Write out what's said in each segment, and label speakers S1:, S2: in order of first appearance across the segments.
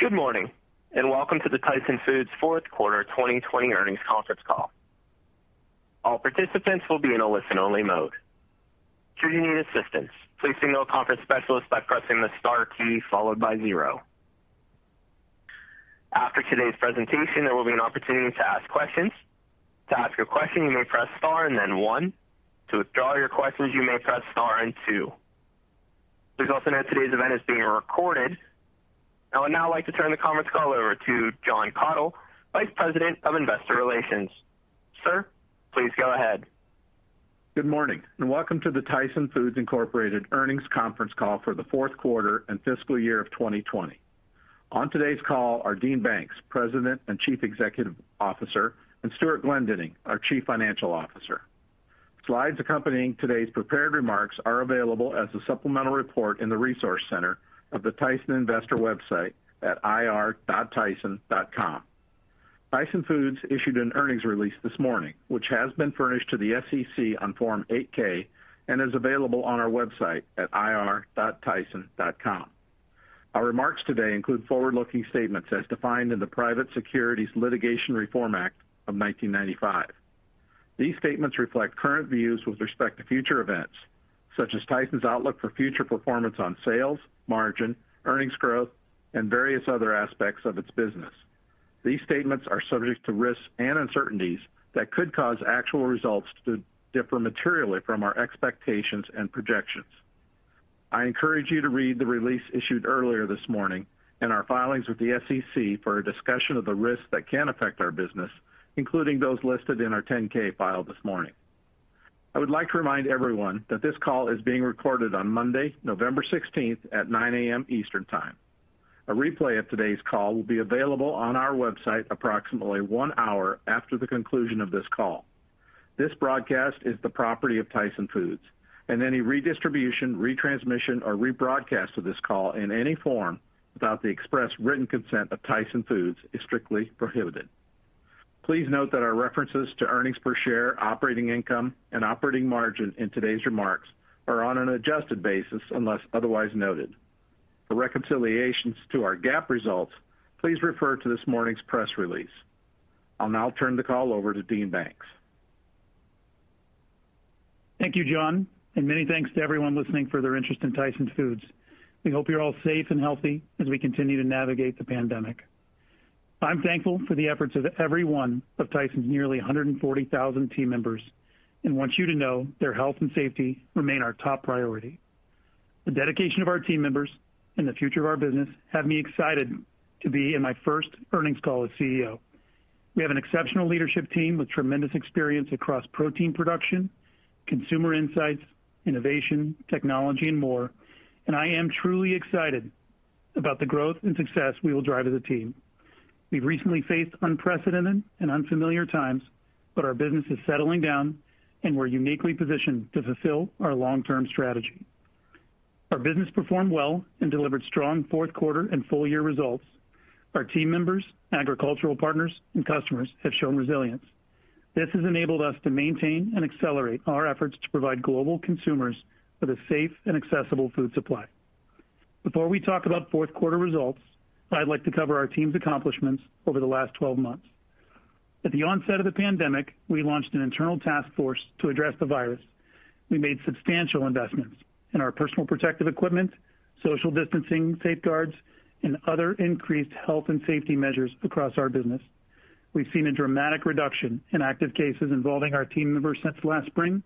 S1: Good morning, and welcome to the Tyson Foods' fourth quarter 2020 earnings conference call. I would now like to turn the conference call over to Jon Kathol, Vice President of Investor Relations. Sir, please go ahead.
S2: Good morning, and welcome to the Tyson Foods Incorporated earnings conference call for the fourth quarter and fiscal year of 2020. On today's call are Dean Banks, President and Chief Executive Officer, and Stewart Glendinning, our Chief Financial Officer. Slides accompanying today's prepared remarks are available as a supplemental report in the resource center of the Tyson investor website at ir.tyson.com. Tyson Foods issued an earnings release this morning, which has been furnished to the SEC on Form 8-K and is available on our website at ir.tyson.com. Our remarks today include forward-looking statements as defined in the Private Securities Litigation Reform Act of 1995. These statements reflect current views with respect to future events, such as Tyson's outlook for future performance on sales, margin, earnings growth, and various other aspects of its business. These statements are subject to risks and uncertainties that could cause actual results to differ materially from our expectations and projections. I encourage you to read the release issued earlier this morning and our filings with the SEC for a discussion of the risks that can affect our business, including those listed in our 10-K filed this morning. I would like to remind everyone that this call is being recorded on Monday, November 16th at 9:00 A.M. Eastern Time. A replay of today's call will be available on our website approximately one hour after the conclusion of this call. This broadcast is the property of Tyson Foods, and any redistribution, retransmission, or rebroadcast of this call in any form without the express written consent of Tyson Foods is strictly prohibited. Please note that our references to earnings per share, operating income, and operating margin in today's remarks are on an adjusted basis unless otherwise noted. For reconciliations to our GAAP results, please refer to this morning's press release. I'll now turn the call over to Dean Banks.
S3: Thank you, Jon, and many thanks to everyone listening for their interest in Tyson Foods. We hope you're all safe and healthy as we continue to navigate the pandemic. I'm thankful for the efforts of every one of Tyson's nearly 140,000 team members and want you to know their health and safety remain our top priority. The dedication of our team members and the future of our business have me excited to be in my first earnings call as CEO. We have an exceptional leadership team with tremendous experience across protein production, consumer insights, innovation, technology, and more, and I am truly excited about the growth and success we will drive as a team. We've recently faced unprecedented and unfamiliar times, but our business is settling down, and we're uniquely positioned to fulfill our long-term strategy. Our business performed well and delivered strong fourth quarter and full-year results. Our team members, agricultural partners, and customers have shown resilience. This has enabled us to maintain and accelerate our efforts to provide global consumers with a safe and accessible food supply. Before we talk about fourth quarter results, I'd like to cover our team's accomplishments over the last 12 months. At the onset of the pandemic, we launched an internal task force to address the virus. We made substantial investments in our personal protective equipment, social distancing safeguards, and other increased health and safety measures across our business. We've seen a dramatic reduction in active cases involving our team members since last spring.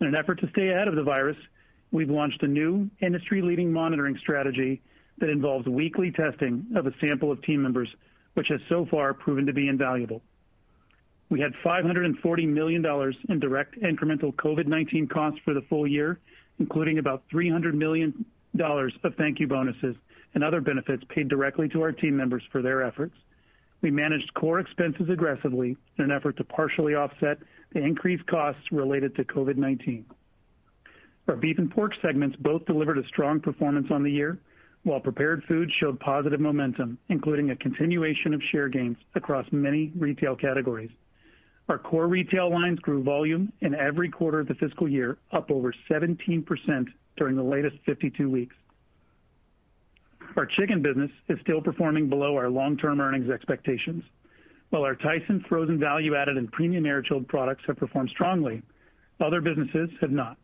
S3: In an effort to stay ahead of the virus, we've launched a new industry-leading monitoring strategy that involves weekly testing of a sample of team members, which has so far proven to be invaluable. We had $540 million in direct incremental COVID-19 costs for the full year, including about $300 million of thank you bonuses and other benefits paid directly to our team members for their efforts. We managed core expenses aggressively in an effort to partially offset the increased costs related to COVID-19. Our Beef and Pork segments both delivered a strong performance on the year, while Prepared Foods showed positive momentum, including a continuation of share gains across many retail categories. Our core retail lines grew volume in every quarter of the fiscal year, up over 17% during the latest 52 weeks. Our Chicken business is still performing below our long-term earnings expectations. While our Tyson frozen value-added and premium air-chilled products have performed strongly, other businesses have not.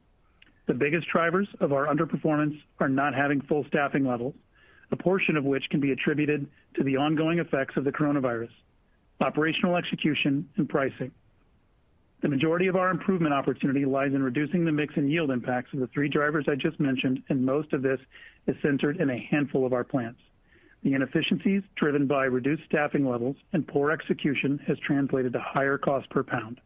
S3: The biggest drivers of our underperformance are not having full staffing levels, a portion of which can be attributed to the ongoing effects of the coronavirus, operational execution, and pricing. The majority of our improvement opportunity lies in reducing the mix and yield impacts of the three drivers I just mentioned, and most of this is centered in a handful of our plants. The inefficiencies driven by reduced staffing levels and poor execution has translated to higher cost per pound.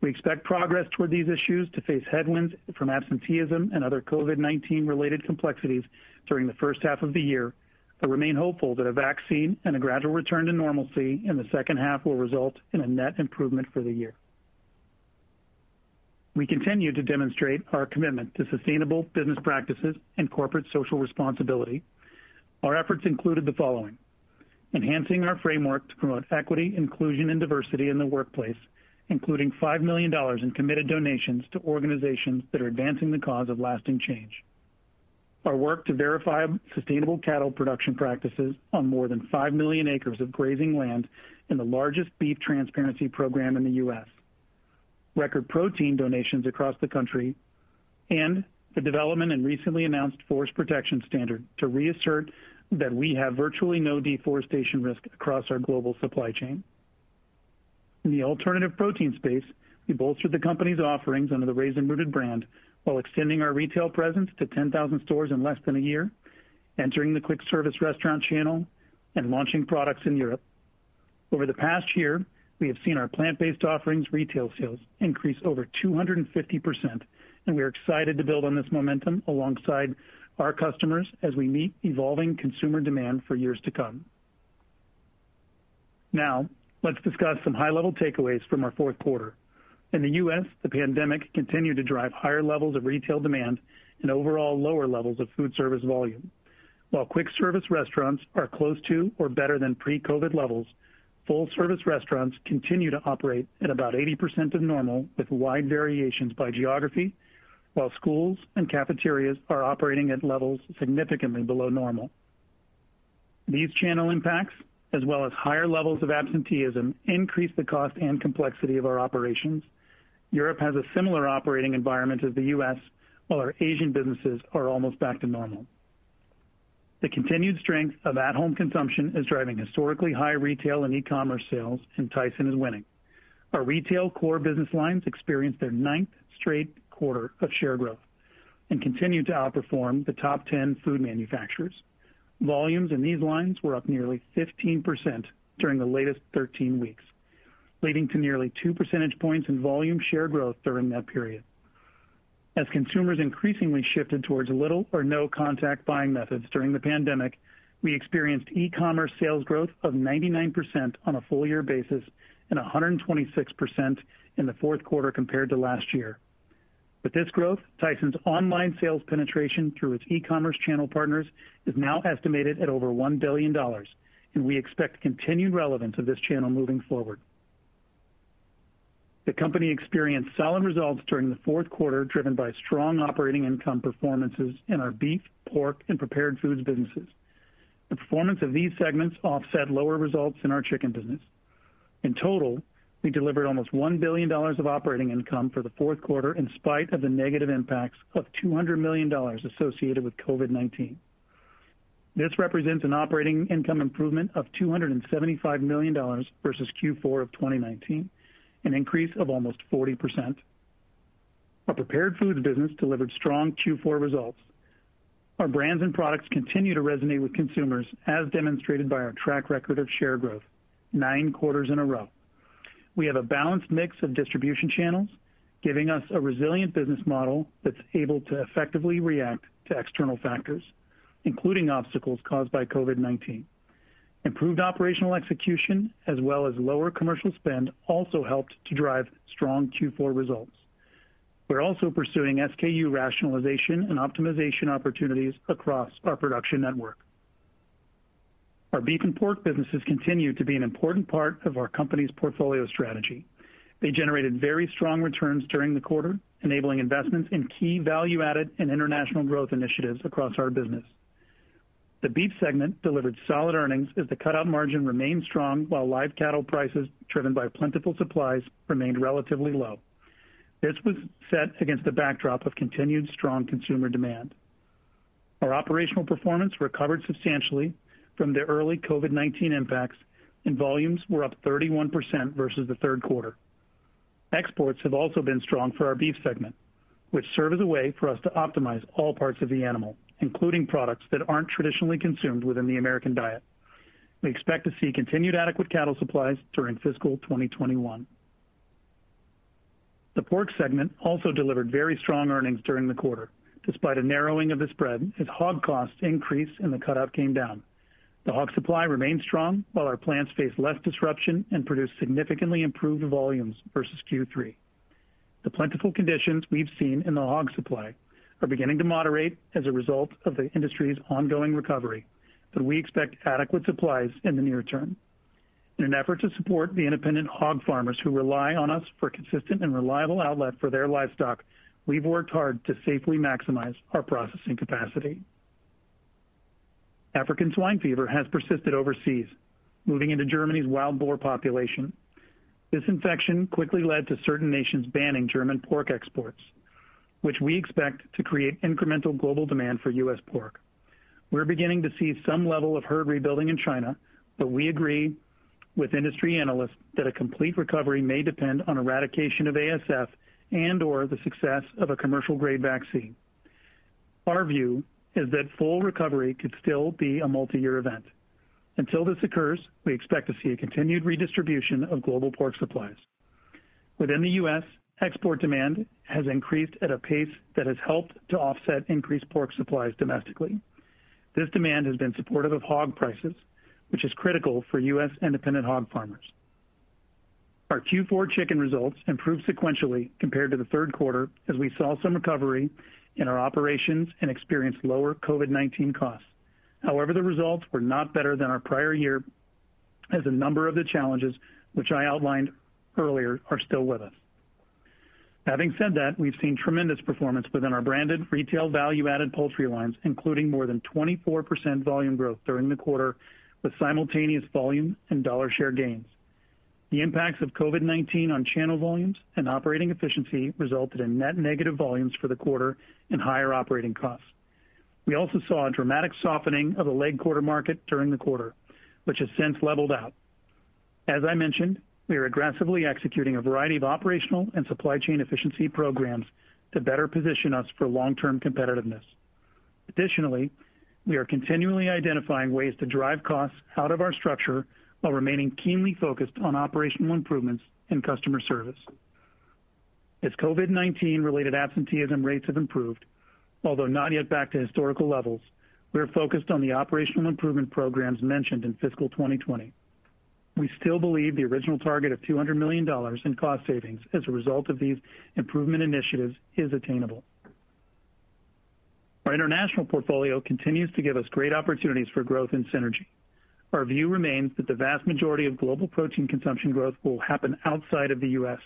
S3: We expect progress toward these issues to face headwinds from absenteeism and other COVID-19 related complexities during the first half of the year, but remain hopeful that a vaccine and a gradual return to normalcy in the second half will result in a net improvement for the year. We continue to demonstrate our commitment to sustainable business practices and corporate social responsibility. Our efforts included the following, enhancing our framework to promote equity, inclusion, and diversity in the workplace, including $5 million in committed donations to organizations that are advancing the cause of lasting change, our work to verify sustainable cattle production practices on more than 5 million acres of grazing land in the largest beef transparency program in the U.S., record protein donations across the country, and the development and recently announced forest protection standard to reassert that we have virtually no deforestation risk across our global supply chain. In the alternative protein space, we bolstered the company's offerings under the Raised & Rooted brand while extending our retail presence to 10,000 stores in less than a year, entering the quick service restaurant channel, and launching products in Europe. Over the past year, we have seen our plant-based offerings retail sales increase over 250%, and we are excited to build on this momentum alongside our customers as we meet evolving consumer demand for years to come. Let's discuss some high-level takeaways from our fourth quarter. In the U.S., the pandemic continued to drive higher levels of retail demand and overall lower levels of food service volume. While quick service restaurants are close to or better than pre-COVID-19 levels, full-service restaurants continue to operate at about 80% of normal, with wide variations by geography, while schools and cafeterias are operating at levels significantly below normal. These channel impacts, as well as higher levels of absenteeism, increase the cost and complexity of our operations. Europe has a similar operating environment as the U.S., while our Asian businesses are almost back to normal. The continued strength of at-home consumption is driving historically high retail and e-commerce sales, and Tyson is winning. Our retail core business lines experienced their ninth straight quarter of share growth and continue to outperform the top 10 food manufacturers. Volumes in these lines were up nearly 15% during the latest 13 weeks, leading to nearly two percentage points in volume share growth during that period. As consumers increasingly shifted towards little or no contact buying methods during the pandemic, we experienced e-commerce sales growth of 99% on a full-year basis and 126% in the fourth quarter compared to last year. With this growth, Tyson's online sales penetration through its e-commerce channel partners is now estimated at over $1 billion, and we expect continued relevance of this channel moving forward. The company experienced solid results during the fourth quarter, driven by strong operating income performances in our Beef, Pork, and Prepared Foods businesses. The performance of these segments offset lower results in our Chicken business. In total, we delivered almost $1 billion of operating income for the fourth quarter in spite of the negative impacts of $200 million associated with COVID-19. This represents an operating income improvement of $275 million versus Q4 of 2019, an increase of almost 40%. Our Prepared Foods business delivered strong Q4 results. Our brands and products continue to resonate with consumers, as demonstrated by our track record of share growth nine quarters in a row. We have a balanced mix of distribution channels, giving us a resilient business model that's able to effectively react to external factors, including obstacles caused by COVID-19. Improved operational execution as well as lower commercial spend also helped to drive strong Q4 results. We're also pursuing SKU rationalization and optimization opportunities across our production network. Our beef and pork businesses continue to be an important part of our company's portfolio strategy. They generated very strong returns during the quarter, enabling investments in key value-added and international growth initiatives across our business. The beef segment delivered solid earnings as the cutout margin remained strong, while live cattle prices, driven by plentiful supplies, remained relatively low. This was set against the backdrop of continued strong consumer demand. Our operational performance recovered substantially from the early COVID-19 impacts, and volumes were up 31% versus the third quarter. Exports have also been strong for our beef segment, which serve as a way for us to optimize all parts of the animal, including products that aren't traditionally consumed within the American diet. We expect to see continued adequate cattle supplies during fiscal 2021. The pork segment also delivered very strong earnings during the quarter, despite a narrowing of the spread as hog costs increased and the cutout came down. The hog supply remained strong, while our plants faced less disruption and produced significantly improved volumes versus Q3. The plentiful conditions we've seen in the hog supply are beginning to moderate as a result of the industry's ongoing recovery, but we expect adequate supplies in the near term. In an effort to support the independent hog farmers who rely on us for a consistent and reliable outlet for their livestock, we've worked hard to safely maximize our processing capacity. African swine fever has persisted overseas, moving into Germany's wild boar population. This infection quickly led to certain nations banning German pork exports, which we expect to create incremental global demand for U.S. pork. We're beginning to see some level of herd rebuilding in China. We agree with industry analysts that a complete recovery may depend on eradication of ASF and/or the success of a commercial-grade vaccine. Our view is that full recovery could still be a multiyear event. Until this occurs, we expect to see a continued redistribution of global pork supplies. Within the U.S., export demand has increased at a pace that has helped to offset increased pork supplies domestically. This demand has been supportive of hog prices, which is critical for U.S. independent hog farmers. Our Q4 chicken results improved sequentially compared to the third quarter, as we saw some recovery in our operations and experienced lower COVID-19 costs. The results were not better than our prior year, as a number of the challenges which I outlined earlier are still with us. Having said that, we've seen tremendous performance within our branded retail value-added poultry lines, including more than 24% volume growth during the quarter, with simultaneous volume and dollar share gains. The impacts of COVID-19 on channel volumes and operating efficiency resulted in net negative volumes for the quarter and higher operating costs. We also saw a dramatic softening of the leg quarter market during the quarter, which has since leveled out. As I mentioned, we are aggressively executing a variety of operational and supply chain efficiency programs to better position us for long-term competitiveness. Additionally, we are continually identifying ways to drive costs out of our structure while remaining keenly focused on operational improvements and customer service. As COVID-19 related absenteeism rates have improved, although not yet back to historical levels, we are focused on the operational improvement programs mentioned in fiscal 2020. We still believe the original target of $200 million in cost savings as a result of these improvement initiatives is attainable. Our international portfolio continues to give us great opportunities for growth and synergy. Our view remains that the vast majority of global protein consumption growth will happen outside of the U.S.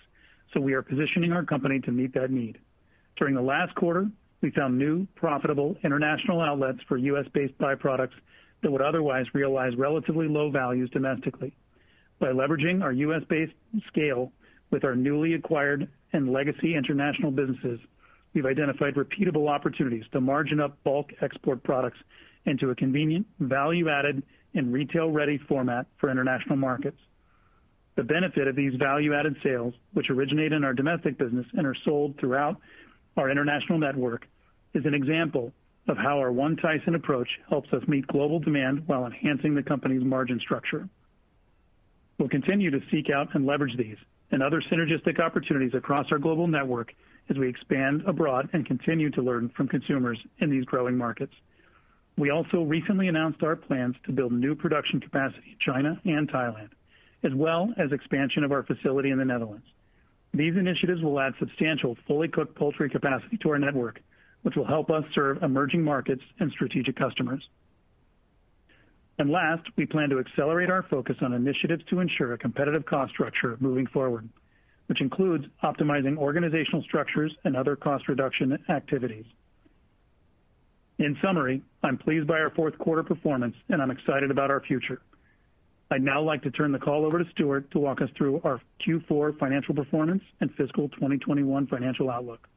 S3: We are positioning our company to meet that need. During the last quarter, we found new, profitable international outlets for U.S.-based byproducts that would otherwise realize relatively low values domestically. By leveraging our U.S.-based scale with our newly acquired and legacy international businesses, we've identified repeatable opportunities to margin up bulk export products into a convenient, value-added, and retail-ready format for international markets. The benefit of these value-added sales, which originate in our domestic business and are sold throughout our international network, is an example of how our One Tyson approach helps us meet global demand while enhancing the company's margin structure. We'll continue to seek out and leverage these and other synergistic opportunities across our global network as we expand abroad and continue to learn from consumers in these growing markets. We also recently announced our plans to build new production capacity in China and Thailand, as well as expansion of our facility in the Netherlands. These initiatives will add substantial fully cooked poultry capacity to our network, which will help us serve emerging markets and strategic customers. Last, we plan to accelerate our focus on initiatives to ensure a competitive cost structure moving forward, which includes optimizing organizational structures and other cost reduction activities. In summary, I'm pleased by our fourth quarter performance, and I'm excited about our future. I'd now like to turn the call over to Stewart to walk us through our Q4 financial performance and fiscal 2021 financial outlook.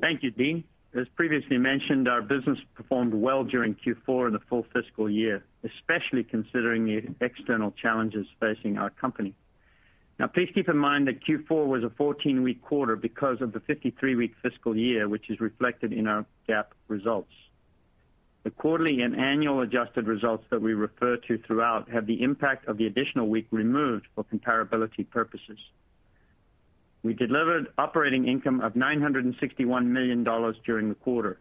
S4: Thank you, Dean. As previously mentioned, our business performed well during Q4 and the full fiscal year, especially considering the external challenges facing our company. Please keep in mind that Q4 was a 14-week quarter because of the 53-week fiscal year, which is reflected in our GAAP results. The quarterly and annual adjusted results that we refer to throughout have the impact of the additional week removed for comparability purposes. We delivered operating income of $961 million during the quarter,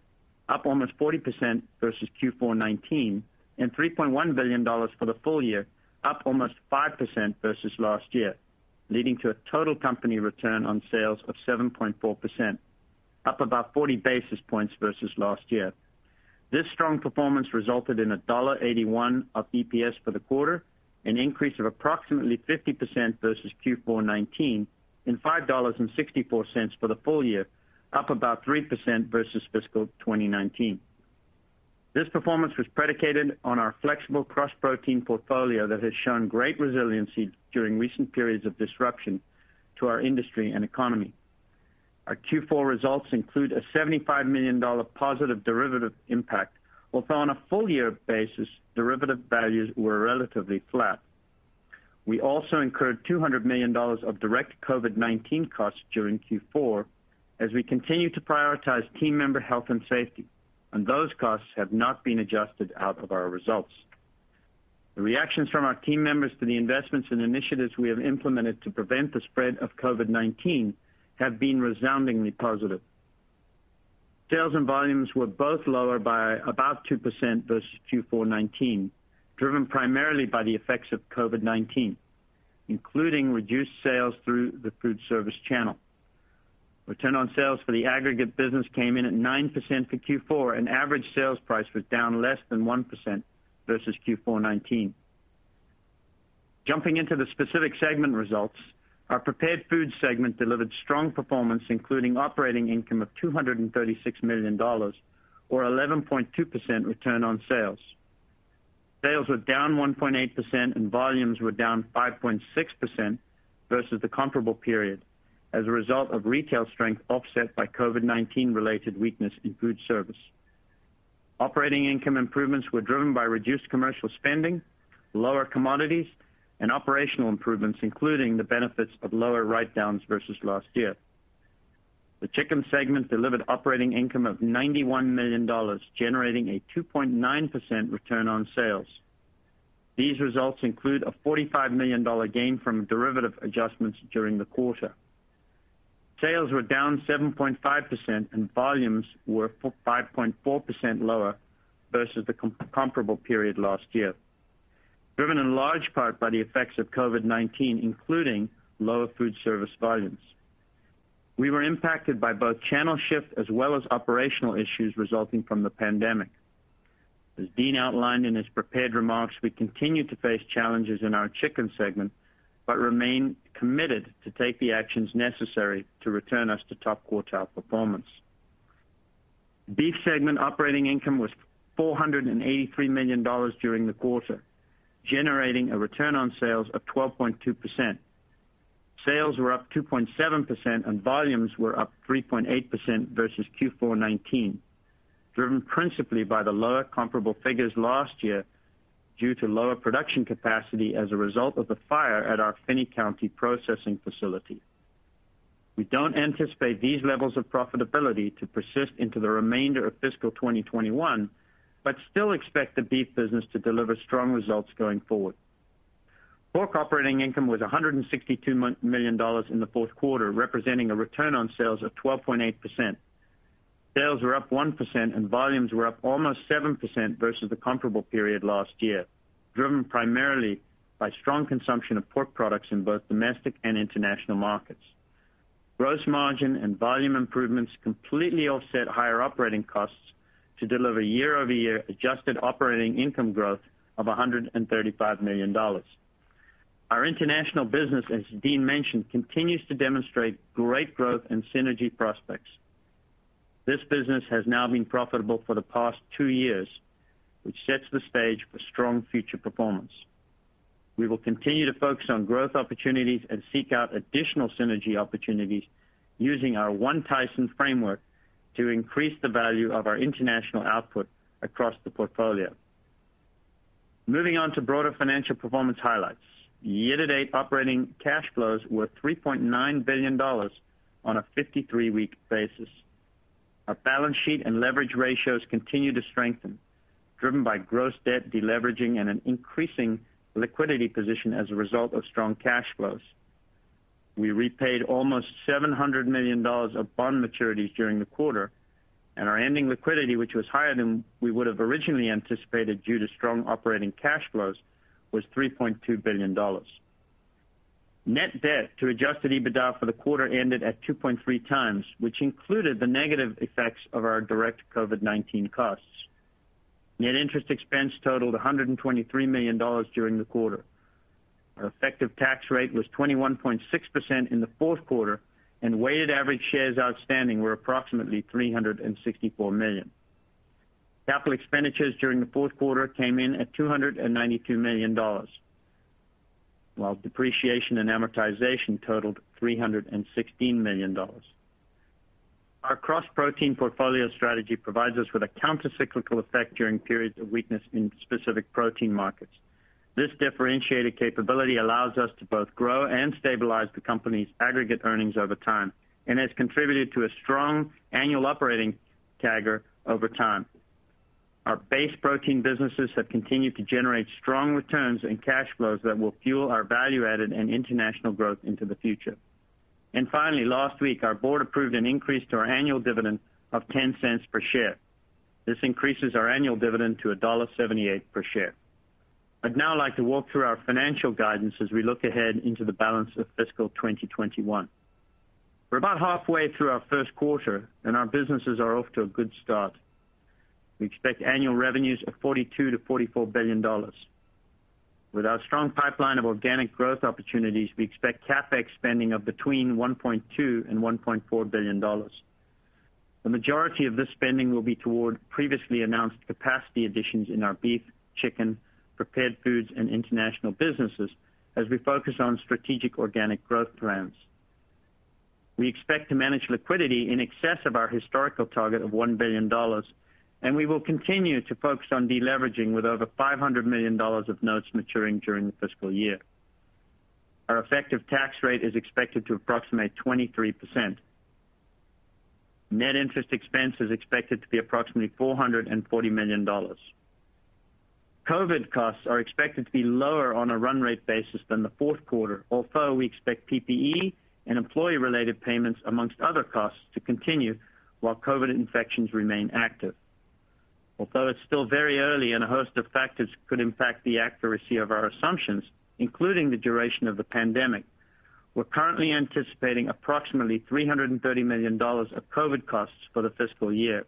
S4: up almost 40% versus Q4 2019, and $3.1 billion for the full year, up almost 5% versus last year, leading to a total company return on sales of 7.4%, up about 40 basis points versus last year. This strong performance resulted in a $1.81 of EPS for the quarter, an increase of approximately 50% versus Q4 2019, and $5.64 for the full year, up about 3% versus fiscal 2019. This performance was predicated on our flexible cross-protein portfolio that has shown great resiliency during recent periods of disruption to our industry and economy. Our Q4 results include a $75 million positive derivative impact, although on a full-year basis, derivative values were relatively flat. We also incurred $200 million of direct COVID-19 costs during Q4 as we continue to prioritize team member health and safety, and those costs have not been adjusted out of our results. The reactions from our team members to the investments and initiatives we have implemented to prevent the spread of COVID-19 have been resoundingly positive. Sales and volumes were both lower by about 2% versus Q4 2019, driven primarily by the effects of COVID-19, including reduced sales through the food service channel. Return on sales for the aggregate business came in at 9% for Q4, and average sales price was down less than 1% versus Q4 2019. Jumping into the specific segment results, our Prepared Foods Segment delivered strong performance, including operating income of $236 million, or 11.2% return on sales. Sales were down 1.8% and volumes were down 5.6% versus the comparable period as a result of retail strength offset by COVID-19 related weakness in food service. Operating income improvements were driven by reduced commercial spending, lower commodities, and operational improvements, including the benefits of lower write-downs versus last year. The Chicken Segment delivered operating income of $91 million, generating a 2.9% return on sales. These results include a $45 million gain from derivative adjustments during the quarter. Sales were down 7.5% and volumes were 5.4% lower versus the comparable period last year, driven in large part by the effects of COVID-19, including lower food service volumes. We were impacted by both channel shift as well as operational issues resulting from the pandemic. As Dean outlined in his prepared remarks, we continue to face challenges in our chicken segment, but remain committed to take the actions necessary to return us to top quartile performance. Beef segment operating income was $483 million during the quarter, generating a return on sales of 12.2%. Sales were up 2.7% and volumes were up 3.8% versus Q4 2019, driven principally by the lower comparable figures last year due to lower production capacity as a result of the fire at our Finney County processing facility. We don't anticipate these levels of profitability to persist into the remainder of fiscal 2021, but still expect the beef business to deliver strong results going forward. Pork operating income was $162 million in the fourth quarter, representing a return on sales of 12.8%. Sales were up 1% and volumes were up almost 7% versus the comparable period last year, driven primarily by strong consumption of pork products in both domestic and international markets. Gross margin and volume improvements completely offset higher operating costs to deliver year-over-year adjusted operating income growth of $135 million. Our international business, as Dean mentioned, continues to demonstrate great growth and synergy prospects. This business has now been profitable for the past two years, which sets the stage for strong future performance. We will continue to focus on growth opportunities and seek out additional synergy opportunities using our One Tyson framework to increase the value of our international output across the portfolio. Moving on to broader financial performance highlights. Year-to-date operating cash flows were $3.9 billion on a 53-week basis. Our balance sheet and leverage ratios continue to strengthen, driven by gross debt de-leveraging and an increasing liquidity position as a result of strong cash flows. We repaid almost $700 million of bond maturities during the quarter, and our ending liquidity, which was higher than we would've originally anticipated due to strong operating cash flows, was $3.2 billion. Net debt to adjusted EBITDA for the quarter ended at 2.3 times, which included the negative effects of our direct COVID-19 costs. Net interest expense totaled $123 million during the quarter. Our effective tax rate was 21.6% in the fourth quarter, and weighted average shares outstanding were approximately 364 million. Capital expenditures during the fourth quarter came in at $292 million, while depreciation and amortization totaled $316 million. Our cross-protein portfolio strategy provides us with a counter-cyclical effect during periods of weakness in specific protein markets. This differentiated capability allows us to both grow and stabilize the company's aggregate earnings over time, and has contributed to a strong annual operating CAGR over time. Our base protein businesses have continued to generate strong returns and cash flows that will fuel our value-added and international growth into the future. Finally, last week, our board approved an increase to our annual dividend of $0.10 per share. This increases our annual dividend to $1.78 per share. I'd now like to walk through our financial guidance as we look ahead into the balance of fiscal 2021. We're about halfway through our first quarter, and our businesses are off to a good start. We expect annual revenues of $42 billion-$44 billion. With our strong pipeline of organic growth opportunities, we expect CapEx spending of between $1.2 billion and $1.4 billion. The majority of this spending will be toward previously announced capacity additions in our beef, chicken, prepared foods, and international businesses as we focus on strategic organic growth plans. We expect to manage liquidity in excess of our historical target of $1 billion, and we will continue to focus on de-leveraging with over $500 million of notes maturing during the fiscal year. Our effective tax rate is expected to approximate 23%. Net interest expense is expected to be approximately $440 million. COVID costs are expected to be lower on a run-rate basis than the fourth quarter, although we expect PPE and employee-related payments, amongst other costs, to continue while COVID infections remain active. Although it's still very early and a host of factors could impact the accuracy of our assumptions, including the duration of the pandemic, we're currently anticipating approximately $330 million of COVID costs for the fiscal year.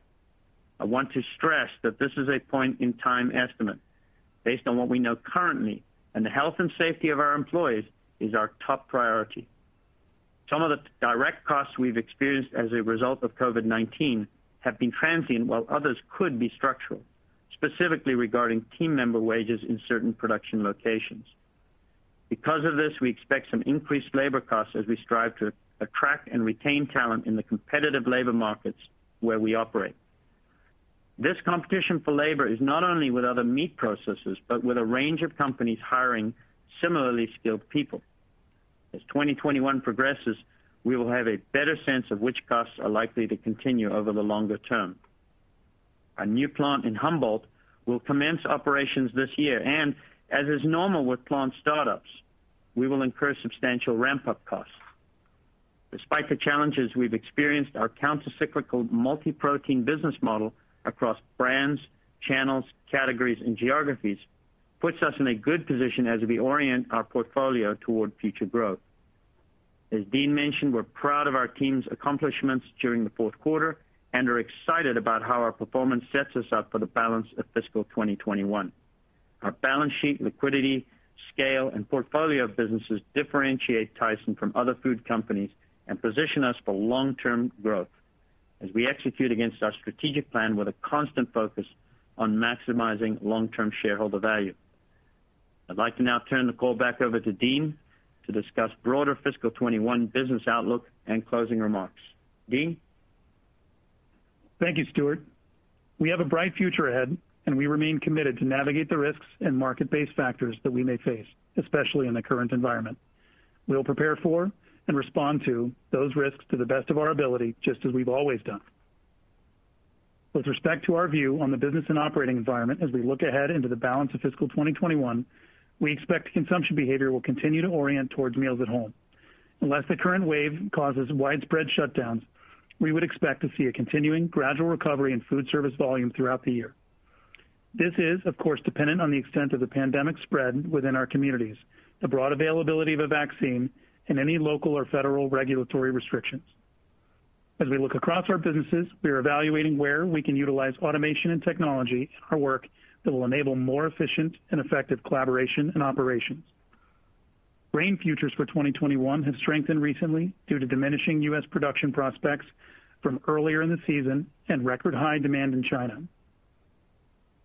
S4: I want to stress that this is a point-in-time estimate based on what we know currently, and the health and safety of our employees is our top priority. Some of the direct costs we've experienced as a result of COVID-19 have been transient, while others could be structural, specifically regarding team member wages in certain production locations. Because of this, we expect some increased labor costs as we strive to attract and retain talent in the competitive labor markets where we operate. This competition for labor is not only with other meat processors, but with a range of companies hiring similarly skilled people. As 2021 progresses, we will have a better sense of which costs are likely to continue over the longer term. Our new plant in Humboldt will commence operations this year, and as is normal with plant startups, we will incur substantial ramp-up costs. Despite the challenges we've experienced, our counter-cyclical multi-protein business model across brands, channels, categories, and geographies puts us in a good position as we orient our portfolio toward future growth. As Dean mentioned, we're proud of our team's accomplishments during the fourth quarter and are excited about how our performance sets us up for the balance of fiscal 2021. Our balance sheet, liquidity, scale, and portfolio of businesses differentiate Tyson from other food companies and position us for long-term growth as we execute against our strategic plan with a constant focus on maximizing long-term shareholder value. I'd like to now turn the call back over to Dean to discuss broader fiscal 2021 business outlook and closing remarks. Dean?
S3: Thank you, Stewart. We have a bright future ahead, and we remain committed to navigate the risks and market-based factors that we may face, especially in the current environment. We'll prepare for and respond to those risks to the best of our ability, just as we've always done. With respect to our view on the business and operating environment, as we look ahead into the balance of fiscal 2021, we expect consumption behavior will continue to orient towards meals at home. Unless the current wave causes widespread shutdowns, we would expect to see a continuing gradual recovery in food service volume throughout the year. This is, of course, dependent on the extent of the pandemic's spread within our communities, the broad availability of a vaccine, and any local or federal regulatory restrictions. As we look across our businesses, we are evaluating where we can utilize automation and technology in our work that will enable more efficient and effective collaboration and operations. Grain futures for 2021 have strengthened recently due to diminishing U.S. production prospects from earlier in the season and record high demand in China.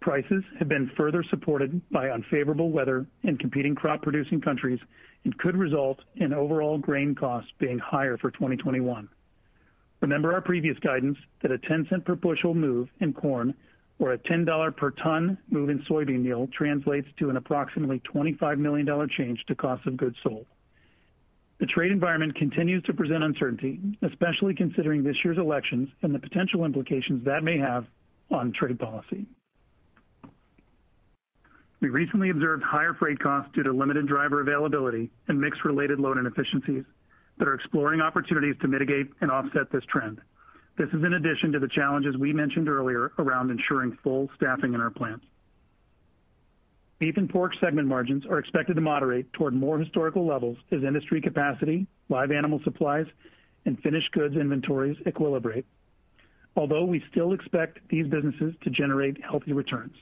S3: Prices have been further supported by unfavorable weather in competing crop-producing countries and could result in overall grain costs being higher for 2021. Remember our previous guidance that a $0.10-per-bushel move in corn or a $10-per-ton move in soybean meal translates to an approximately $25 million change to cost of goods sold. The trade environment continues to present uncertainty, especially considering this year's elections and the potential implications that may have on trade policy. We recently observed higher freight costs due to limited driver availability and mix-related load inefficiencies that are exploring opportunities to mitigate and offset this trend. This is in addition to the challenges we mentioned earlier around ensuring full staffing in our plants. Beef and pork segment margins are expected to moderate toward more historical levels as industry capacity, live animal supplies, and finished goods inventories equilibrate, although we still expect these businesses to generate healthy returns.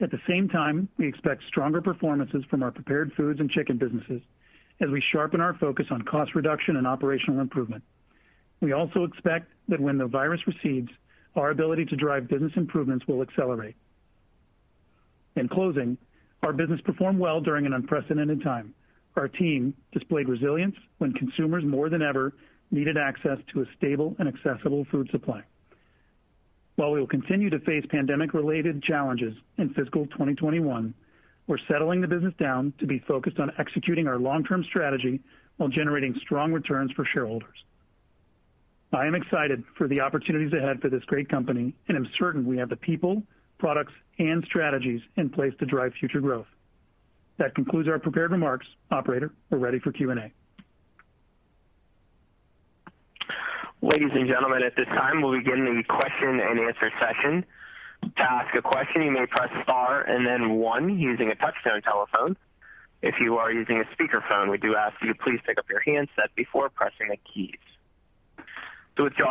S3: At the same time, we expect stronger performances from our prepared foods and chicken businesses as we sharpen our focus on cost reduction and operational improvement. We also expect that when the virus recedes, our ability to drive business improvements will accelerate. In closing, our business performed well during an unprecedented time. Our team displayed resilience when consumers, more than ever, needed access to a stable and accessible food supply. While we will continue to face pandemic-related challenges in fiscal 2021, we're settling the business down to be focused on executing our long-term strategy while generating strong returns for shareholders. I am excited for the opportunities ahead for this great company and am certain we have the people, products, and strategies in place to drive future growth. That concludes our prepared remarks. Operator, we're ready for Q&A.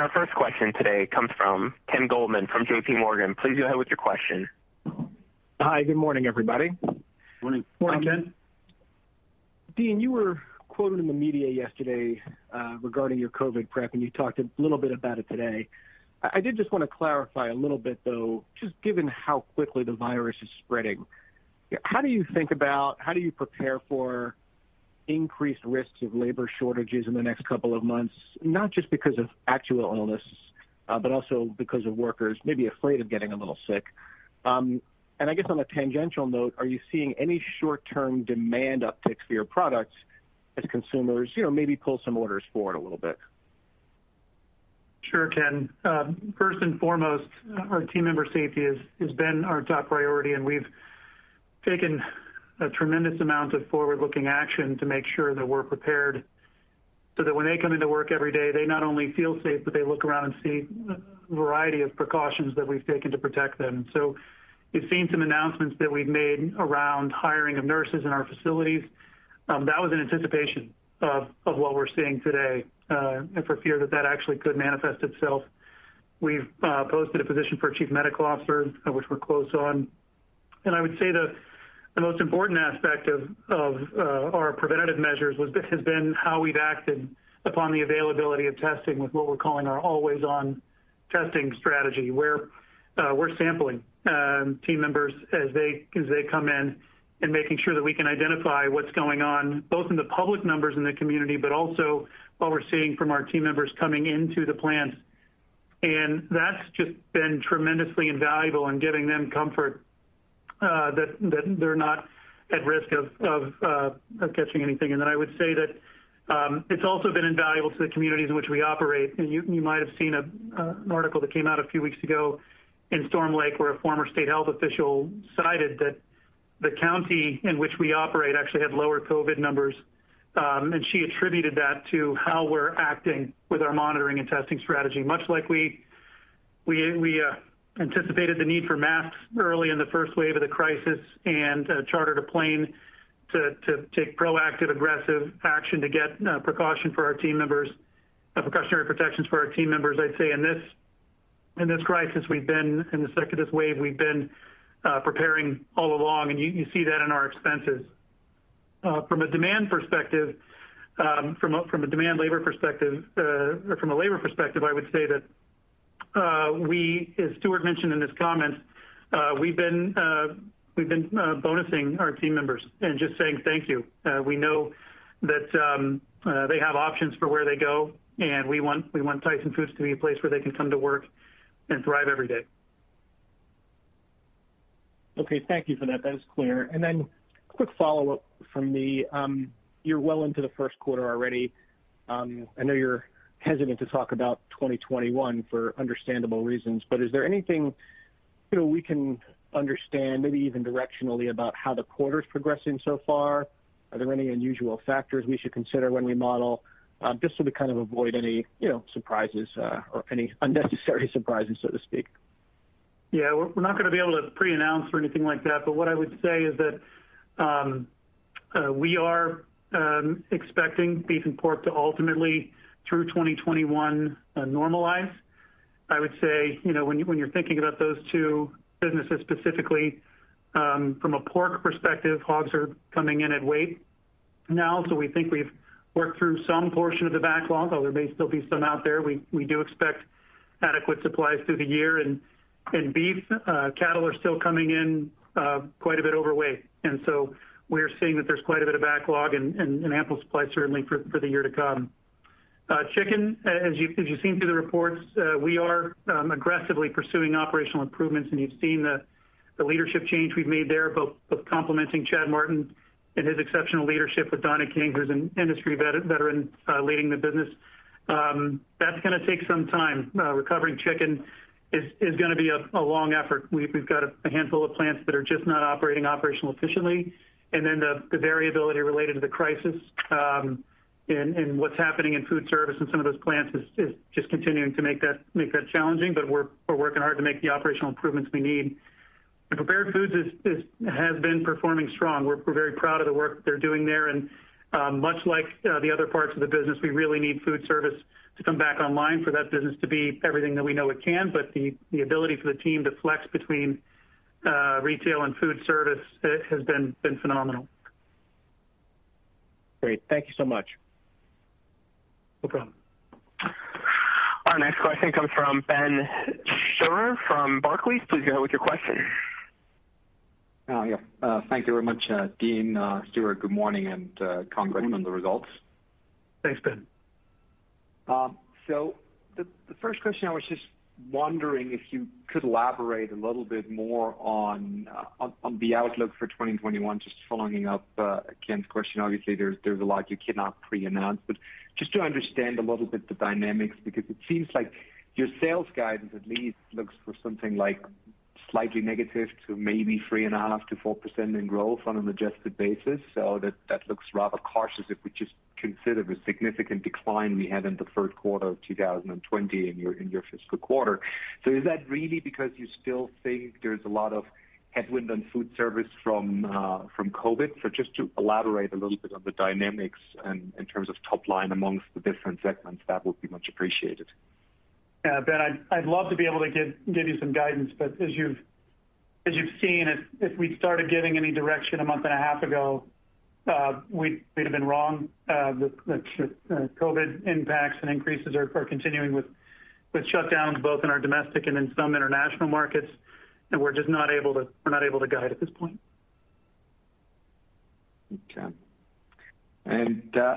S1: Our first question today comes from Ken Goldman from JPMorgan. Please go ahead with your question.
S5: Hi. Good morning, everybody.
S3: Morning.
S4: Morning, Ken.
S5: Dean, you were quoted in the media yesterday, regarding your COVID prep. You talked a little bit about it today. I did just want to clarify a little bit, though, just given how quickly the virus is spreading, how do you think about, how do you prepare for increased risks of labor shortages in the next couple of months, not just because of actual illness, but also because of workers maybe afraid of getting a little sick? I guess on a tangential note, are you seeing any short-term demand upticks for your products as consumers maybe pull some orders forward a little bit?
S3: Sure, Ken. First and foremost, our team member safety has been our top priority, and we've taken a tremendous amount of forward-looking action to make sure that we're prepared so that when they come into work every day, they not only feel safe, but they look around and see a variety of precautions that we've taken to protect them. You've seen some announcements that we've made around hiring of nurses in our facilities. That was in anticipation of what we're seeing today, and for fear that that actually could manifest itself. We've posted a position for a chief medical officer, which we're close on. I would say the most important aspect of our preventative measures has been how we've acted upon the availability of testing with what we're calling our always-on testing strategy, where we're sampling team members as they come in and making sure that we can identify what's going on, both in the public numbers in the community, but also what we're seeing from our team members coming into the plants. That's just been tremendously invaluable in giving them comfort that they're not at risk of catching anything. Then I would say that it's also been invaluable to the communities in which we operate. You might have seen an article that came out a few weeks ago in Storm Lake, where a former state health official cited that the county in which we operate actually had lower COVID numbers. She attributed that to how we're acting with our monitoring and testing strategy. Much like we anticipated the need for masks early in the first wave of the crisis and chartered a plane to take proactive, aggressive action to get precautionary protections for our team members. I'd say in this crisis, in the second wave, we've been preparing all along, and you see that in our expenses. From a demand labor perspective, or from a labor perspective, I would say that, as Stewart mentioned in his comments, we've been bonusing our team members and just saying thank you. We know that they have options for where they go, and we want Tyson Foods to be a place where they can come to work and thrive every day.
S5: Okay. Thank you for that. That is clear. Quick follow-up from me. You're well into the first quarter already. I know you're hesitant to talk about 2021 for understandable reasons, is there anything we can understand, maybe even directionally, about how the quarter's progressing so far? Are there any unusual factors we should consider when we model, just so we kind of avoid any surprises or any unnecessary surprises, so to speak?
S3: Yeah. We're not going to be able to pre-announce or anything like that. What I would say is that we are expecting beef and pork to ultimately, through 2021, normalize. I would say, when you're thinking about those two businesses specifically from a pork perspective, hogs are coming in at weight now. We think we've worked through some portion of the backlog, although there may still be some out there. We do expect adequate supplies through the year. Beef, cattle are still coming in quite a bit overweight. We are seeing that there's quite a bit of backlog and ample supply certainly for the year to come. Chicken, as you've seen through the reports, we are aggressively pursuing operational improvements. You've seen the leadership change we've made there, both complimenting Chad Martin and his exceptional leadership with Donnie King, who's an industry veteran leading the business. That's going to take some time. Recovering chicken is going to be a long effort. We've got a handful of plants that are just not operating operationally efficiently. The variability related to the crisis and what's happening in food service in some of those plants is just continuing to make that challenging, but we're working hard to make the operational improvements we need. Prepared foods has been performing strong. We're very proud of the work that they're doing there. Much like the other parts of the business, we really need food service to come back online for that business to be everything that we know it can. The ability for the team to flex between retail and food service has been phenomenal.
S5: Great. Thank you so much.
S3: No problem.
S1: Our next question comes from Benjamin Theurer from Barclays. Please go ahead with your question.
S6: Yeah. Thank you very much, Dean. Stewart, good morning, and congrats on the results.
S3: Thanks, Ben.
S6: The first question, I was just wondering if you could elaborate a little bit more on the outlook for 2021, just following up Ken's question. Obviously, there's a lot you cannot pre-announce. Just to understand a little bit the dynamics because it seems like your sales guidance at least looks for something like slightly negative to maybe 3.5%-4% in growth on an adjusted basis. That looks rather cautious if we just consider the significant decline we had in the third quarter of 2020 in your fiscal quarter. Is that really because you still think there's a lot of headwind on food service from COVID? Just to elaborate a little bit on the dynamics and in terms of top line amongst the different segments, that would be much appreciated.
S3: Yeah, Ben, I'd love to be able to give you some guidance, but as you've seen, if we'd started giving any direction a month and a half ago, we'd have been wrong. The COVID-19 impacts and increases are continuing with shutdowns, both in our domestic and in some international markets, and we're just not able to guide at this point.
S6: Okay.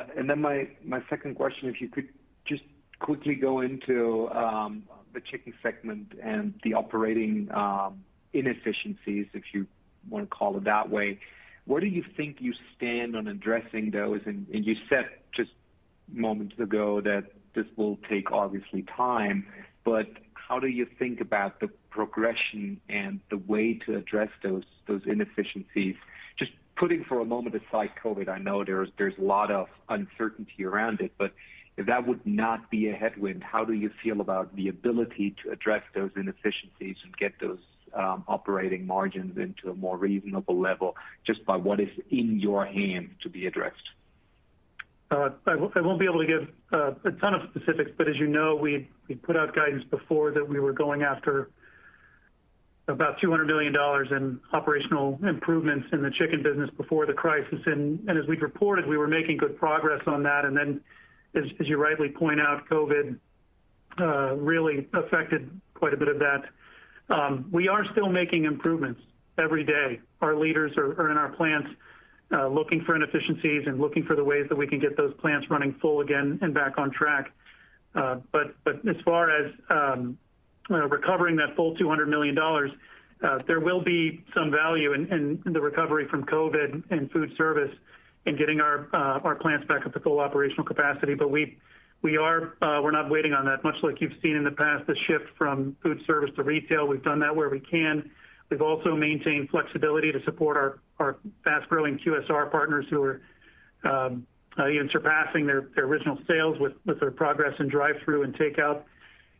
S6: My second question, if you could just quickly go into the chicken segment and the operating inefficiencies, if you want to call it that way. Where do you think you stand on addressing those? You said just moments ago that this will take obviously time, but how do you think about the progression and the way to address those inefficiencies? Just putting for a moment aside COVID-19, I know there's a lot of uncertainty around it, but if that would not be a headwind, how do you feel about the ability to address those inefficiencies and get those operating margins into a more reasonable level just by what is in your hand to be addressed?
S3: I won't be able to give a ton of specifics, but as you know, we put out guidance before that we were going after about $200 million in operational improvements in the chicken business before the crisis. As we'd reported, we were making good progress on that. As you rightly point out, COVID-19 really affected quite a bit of that. We are still making improvements every day. Our leaders are in our plants looking for inefficiencies and looking for the ways that we can get those plants running full again and back on track. As far as recovering that full $200 million, there will be some value in the recovery from COVID-19 and food service in getting our plants back up to full operational capacity. We're not waiting on that. Much like you've seen in the past, the shift from food service to retail, we've done that where we can. We've also maintained flexibility to support our fast-growing QSR partners who are surpassing their original sales with their progress in drive-through and takeout.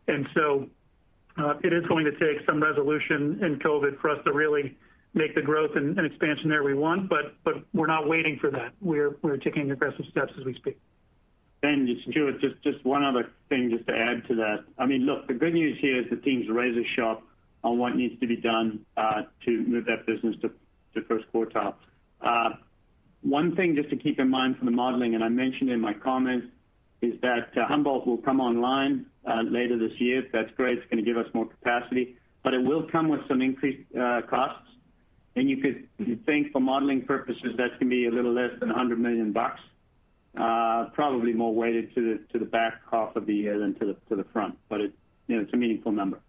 S3: It is going to take some resolution in COVID-19 for us to really make the growth and expansion there we want. We're not waiting for that. We're taking aggressive steps as we speak.
S4: Stuart, just one other thing just to add to that. Look, the good news here is the team's razor sharp on what needs to be done to move that business to first quartile. One thing just to keep in mind from the modeling, and I mentioned in my comments, is that Humboldt will come online later this year. That's great. It's going to give us more capacity, but it will come with some increased costs. You could think for modeling purposes, that's going to be a little less than $100 million. Probably more weighted to the back half of the year than to the front. It's a meaningful number.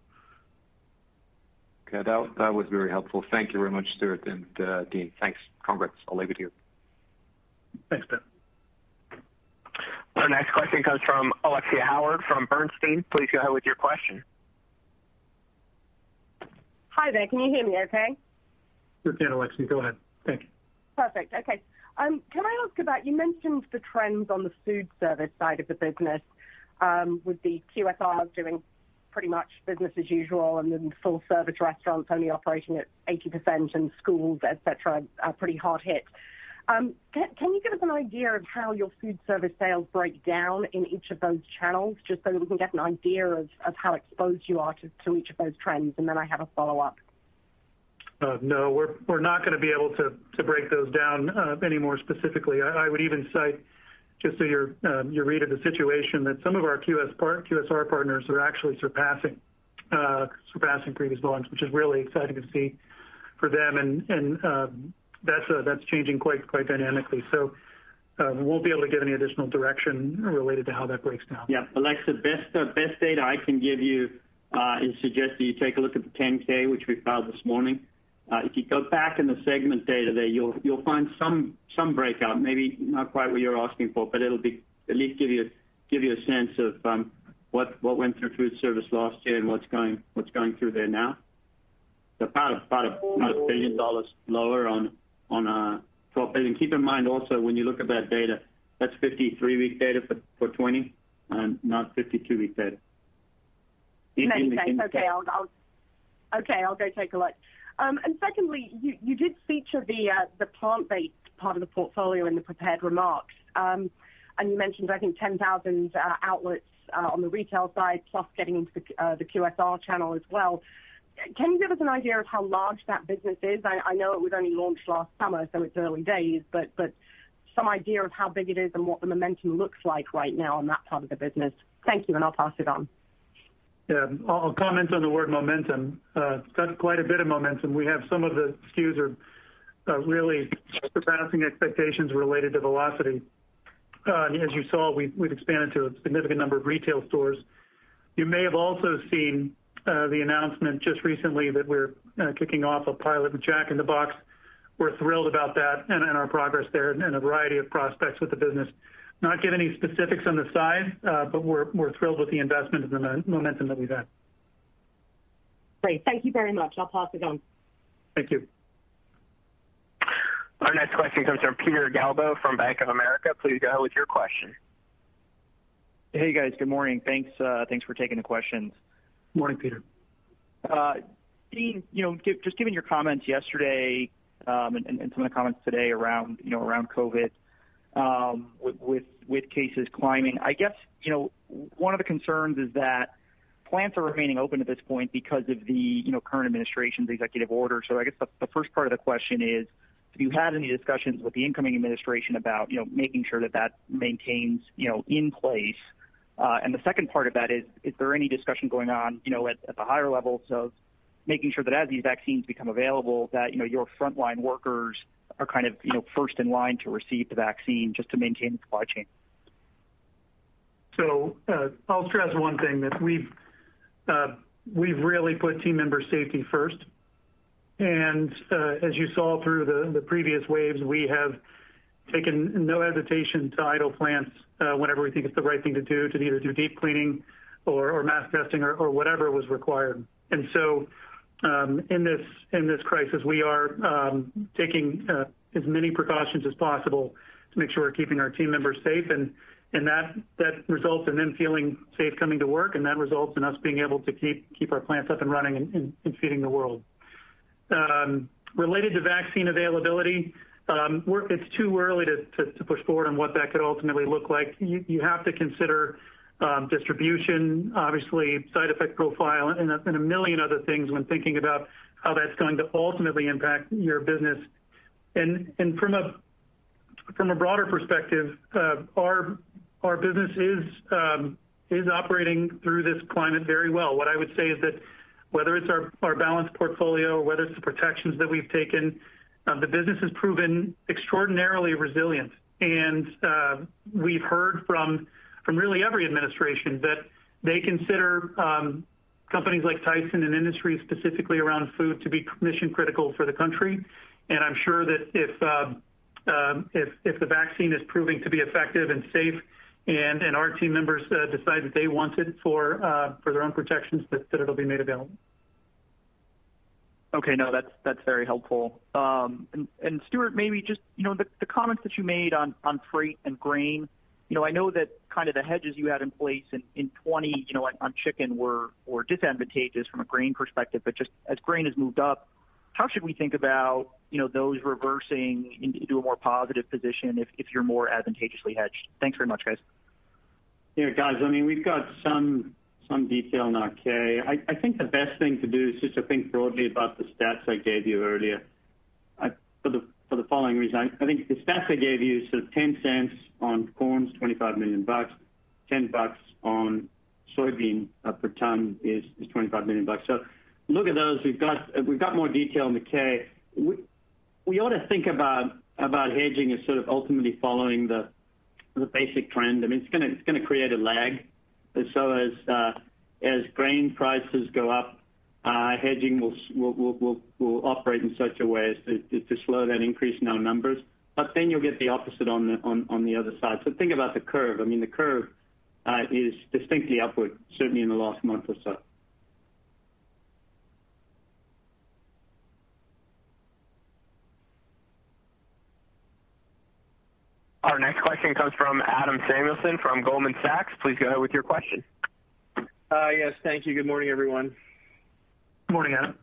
S6: Okay. That was very helpful. Thank you very much, Stewart and Dean. Thanks. Congrats. I'll leave it here.
S3: Thanks, Ben.
S1: Our next question comes from Alexia Howard from Bernstein. Please go ahead with your question.
S7: Hi there. Can you hear me okay?
S3: We can, Alexia. Go ahead. Thank you.
S7: Perfect. Okay. Can I ask about, you mentioned the trends on the food service side of the business, with the QSRs doing pretty much business as usual, and then full service restaurants only operating at 80%, and schools, et cetera, are pretty hard hit. Can you give us an idea of how your food service sales break down in each of those channels, just so that we can get an idea of how exposed you are to each of those trends? I have a follow-up.
S3: No. We're not going to be able to break those down any more specifically. I would even cite, just so you're read of the situation, that some of our QSR partners are actually surpassing previous volumes, which is really exciting to see for them. That's changing quite dynamically. We won't be able to give any additional direction related to how that breaks down.
S4: Yeah. Alexia, best data I can give you is suggest that you take a look at the 10-K which we filed this morning. If you go back in the segment data there, you'll find some breakout, maybe not quite what you're asking for, but it'll at least give you a sense of what went through food service last year and what's going through there now. About $1 billion lower on-- $12 billion. Keep in mind also, when you look at that data, that's 53-week data for 2020, not 52-week data.
S7: No, it's okay. I'll go take a look. Secondly, you did feature the plant-based part of the portfolio in the prepared remarks. You mentioned, I think, 10,000 outlets on the retail side, plus getting into the QSR channel as well. Can you give us an idea of how large that business is? I know it was only launched last summer, so it's early days, but some idea of how big it is and what the momentum looks like right now on that part of the business. Thank you, and I'll pass it on.
S3: Yeah. I'll comment on the word momentum. Got quite a bit of momentum. We have some of the SKUs are really surpassing expectations related to velocity. As you saw, we've expanded to a significant number of retail stores. You may have also seen the announcement just recently that we're kicking off a pilot with Jack in the Box. We're thrilled about that and our progress there and a variety of prospects with the business. Not give any specifics on the side, but we're thrilled with the investment and the momentum that we've had.
S7: Great. Thank you very much. I'll pass it on.
S3: Thank you.
S1: Our next question comes from Peter Galbo from Bank of America. Please go ahead with your question.
S8: Hey, guys. Good morning. Thanks for taking the questions.
S3: Morning, Peter.
S8: Dean, just given your comments yesterday, and some of the comments today around COVID-19, with cases climbing. I guess one of the concerns is that plants are remaining open at this point because of the current administration's executive order. I guess the first part of the question is, have you had any discussions with the incoming administration about making sure that that maintains in place? The second part of that is there any discussion going on at the higher levels of making sure that as these vaccines become available, that your frontline workers are first in line to receive the vaccine just to maintain the supply chain?
S3: I'll stress one thing, that we've really put team member safety first. As you saw through the previous waves, we have taken no hesitation to idle plants whenever we think it's the right thing to do to either do deep cleaning or mass testing or whatever was required. In this crisis, we are taking as many precautions as possible to make sure we're keeping our team members safe, and that results in them feeling safe coming to work, and that results in us being able to keep our plants up and running and feeding the world. Related to vaccine availability, it's too early to push forward on what that could ultimately look like. You have to consider distribution, obviously side effect profile, and a million other things when thinking about how that's going to ultimately impact your business. From a broader perspective, our business is operating through this climate very well. What I would say is, whether it's our balanced portfolio, whether it's the protections that we've taken, the business has proven extraordinarily resilient. We've heard from really every administration that they consider companies like Tyson, and industries specifically around food, to be mission-critical for the country. I'm sure that if the vaccine is proving to be effective and safe, and our team members decide that they want it for their own protections, that it'll be made available.
S8: Okay. No, that's very helpful. Stewart, maybe just the comments that you made on freight and grain. I know that kind of the hedges you had in place in 2020 on chicken were disadvantageous from a grain perspective. Just as grain has moved up, how should we think about those reversing into a more positive position if you're more advantageously hedged? Thanks very much, guys.
S4: Yeah, guys, we've got some detail in our K. I think the best thing to do is just to think broadly about the stats I gave you earlier for the following reason. I think the stats I gave you, $0.10 on corn is $25 million, $10 on soybean per ton is $25 million. Look at those. We've got more detail in the K. We ought to think about hedging as sort of ultimately following the basic trend. It's going to create a lag. As grain prices go up, hedging will operate in such a way as to slow that increase in our numbers. You'll get the opposite on the other side. Think about the curve. The curve is distinctly upward, certainly in the last month or so.
S1: Our next question comes from Adam Samuelson from Goldman Sachs. Please go ahead with your question.
S9: Yes. Thank you. Good morning, everyone.
S3: Morning, Adam.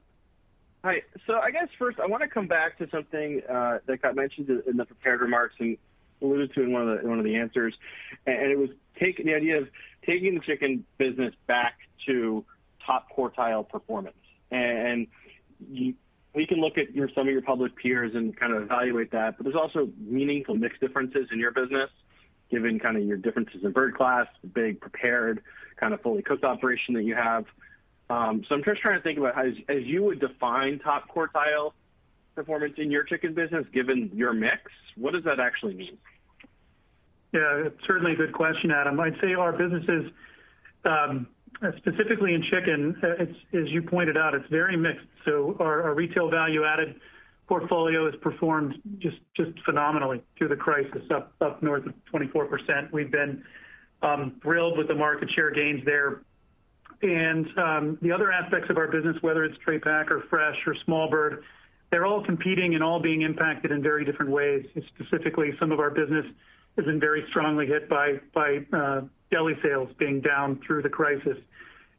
S9: Hi. I guess first I want to come back to something that got mentioned in the prepared remarks and alluded to in one of the answers, and it was the idea of taking the chicken business back to top quartile performance. We can look at some of your public peers and kind of evaluate that, but there's also meaningful mix differences in your business, given kind of your differences in bird class, the big prepared, kind of fully cooked operation that you have. I'm just trying to think about how, as you would define top quartile performance in your chicken business, given your mix, what does that actually mean?
S3: Yeah, certainly a good question, Adam. I'd say our businesses, specifically in chicken, as you pointed out, it's very mixed. Our retail value-added portfolio has performed just phenomenally through the crisis, up north of 24%. We've been thrilled with the market share gains there. The other aspects of our business, whether it's tray pack or fresh or small bird, they're all competing and all being impacted in very different ways. Specifically, some of our business has been very strongly hit by deli sales being down through the crisis.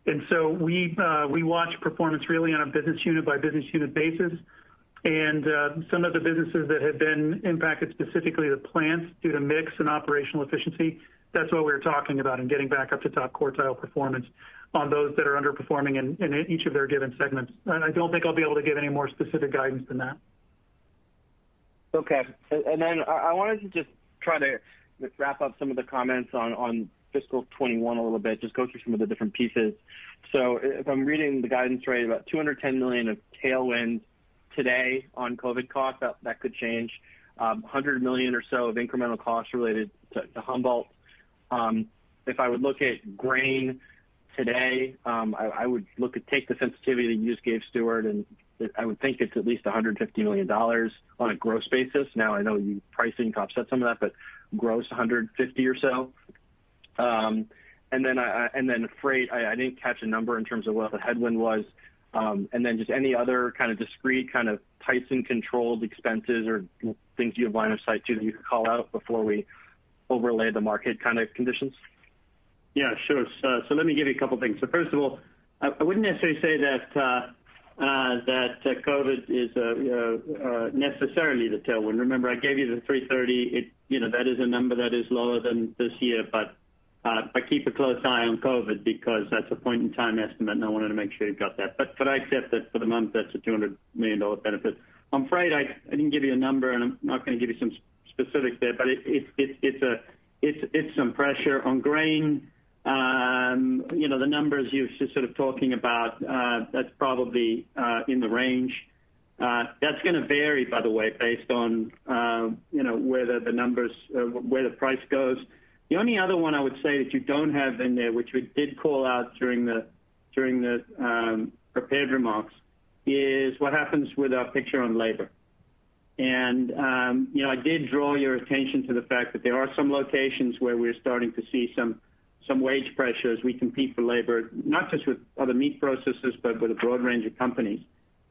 S3: We watch performance really on a business unit-by-business unit basis. Some of the businesses that have been impacted, specifically the plants, due to mix and operational efficiency, that's what we were talking about in getting back up to top quartile performance on those that are underperforming in each of their given segments. I don't think I'll be able to give any more specific guidance than that.
S9: Okay. I wanted to just try to wrap up some of the comments on fiscal 2021 a little bit, just go through some of the different pieces. If I'm reading the guidance right, about $210 million of tailwind today on COVID-19 costs, that could change, $100 million or so of incremental costs related to Humboldt. If I would look at grain today, I would look at, take the sensitivity that you just gave, Stewart, and I would think it's at least $150 million on a gross basis. Now, I know pricing offsets some of that, but gross $150 or so. Freight, I didn't catch a number in terms of what the headwind was. Just any other kind of discrete Tyson-controlled expenses or things you have line of sight to that you could call out before we overlay the market kind of conditions?
S4: Yeah, sure. Let me give you a couple things. First of all, I wouldn't necessarily say that COVID is necessarily the tailwind. Remember, I gave you the 330. That is a number that is lower than this year, but I keep a close eye on COVID because that's a point-in-time estimate, and I wanted to make sure you've got that. I accept that for the month, that's a $200 million benefit. On freight, I didn't give you a number, and I'm not going to give you some specifics there, but it's some pressure. On grain, the numbers you're sort of talking about, that's probably in the range. That's going to vary, by the way, based on where the price goes. The only other one I would say that you don't have in there, which we did call out during the prepared remarks, is what happens with our picture on labor. I did draw your attention to the fact that there are some locations where we're starting to see some wage pressures. We compete for labor, not just with other meat processors, but with a broad range of companies.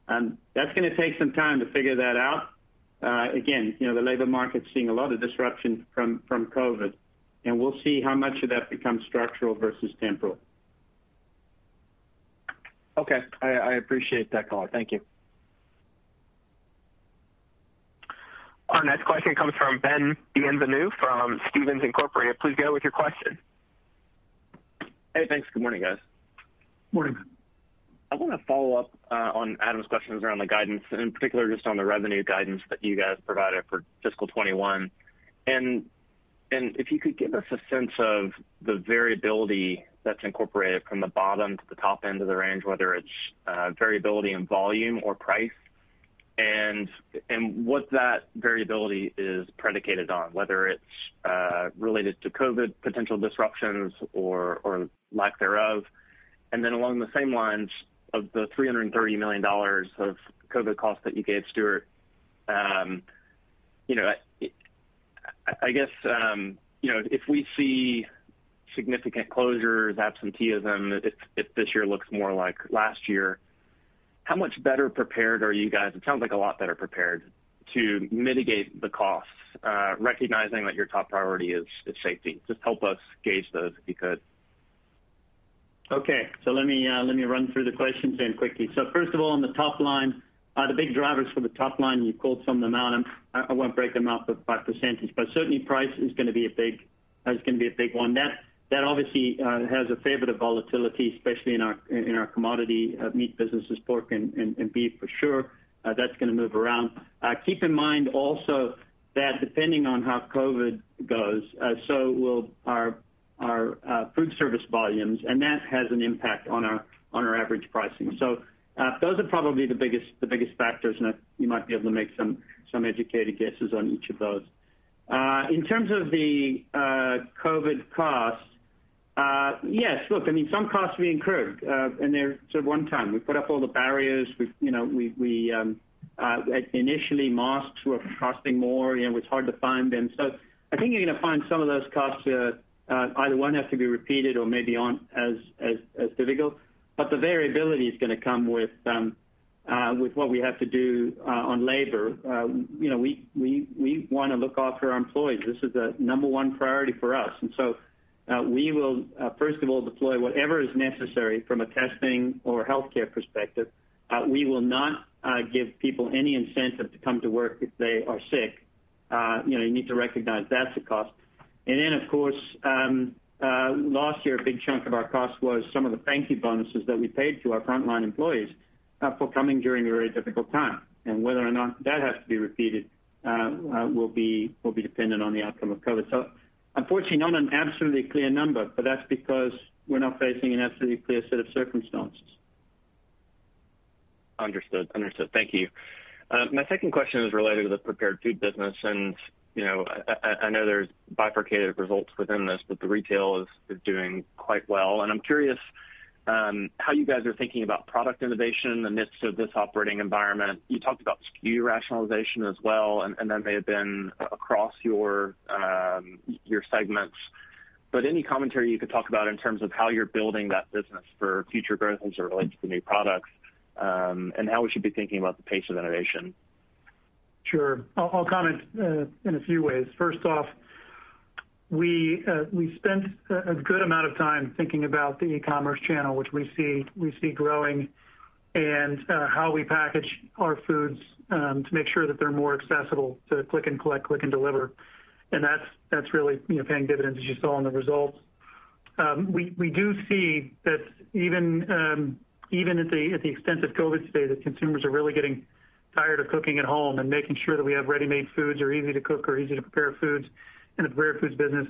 S4: That's going to take some time to figure that out. Again, the labor market's seeing a lot of disruption from COVID-19. We'll see how much of that becomes structural versus temporal.
S9: Okay. I appreciate that color. Thank you.
S1: Our next question comes from Ben Bienvenu from Stephens Inc.. Please go with your question.
S10: Hey, thanks. Good morning, guys.
S3: Morning.
S10: I want to follow up on Adam's questions around the guidance, in particular just on the revenue guidance that you guys provided for fiscal 2021. And if you could give us a sense of the variability that's incorporated from the bottom to the top end of the range, whether it's variability in volume or price, and what that variability is predicated on, whether it's related to COVID potential disruptions or lack thereof. Along the same lines, of the $330 million of COVID costs that you gave, Stewart, if we see significant closures, absenteeism, if this year looks more like last year, how much better prepared are you guys, it sounds like a lot better prepared, to mitigate the costs, recognizing that your top priority is safety? Just help us gauge those, if you could.
S4: Okay. Let me run through the questions then quickly. First of all, on the top line, the big drivers for the top line, you called some of them out, and I won't break them out by %, but certainly price is going to be a big one. That obviously has a fair bit of volatility, especially in our commodity meat businesses, pork and beef for sure. That's going to move around. Keep in mind also that depending on how COVID goes, so will our food service volumes, and that has an impact on our average pricing. Those are probably the biggest factors, and you might be able to make some educated guesses on each of those. In terms of the COVID costs, yes, look, some costs we incurred, and they're sort of one time. We put up all the barriers. Initially, masks were costing more, it was hard to find them. I think you're going to find some of those costs either won't have to be repeated or maybe aren't as difficult. The variability is going to come with what we have to do on labor. We want to look after our employees. This is the number one priority for us. We will, first of all, deploy whatever is necessary from a testing or healthcare perspective. We will not give people any incentive to come to work if they are sick. You need to recognize that's a cost. Then, of course, last year, a big chunk of our cost was some of the thank you bonuses that we paid to our frontline employees for coming during a very difficult time. Whether or not that has to be repeated will be dependent on the outcome of COVID-19. Unfortunately, not an absolutely clear number, but that's because we're not facing an absolutely clear set of circumstances.
S10: Understood. Thank you. My second question is related to the prepared food business, and I know there's bifurcated results within this, but the retail is doing quite well. I'm curious how you guys are thinking about product innovation in the midst of this operating environment. You talked about SKU rationalization as well, and that may have been across your segments. Any commentary you could talk about in terms of how you're building that business for future growth as it relates to new products, and how we should be thinking about the pace of innovation?
S3: Sure. I'll comment in a few ways. First off, we spent a good amount of time thinking about the e-commerce channel, which we see growing, and how we package our foods to make sure that they're more accessible to click and collect, click and deliver. That's really paying dividends as you saw in the results. We do see that even at the extent of COVID-19 today, that consumers are really getting tired of cooking at home and making sure that we have ready-made foods or easy to cook or easy to prepare foods in the prepared foods business.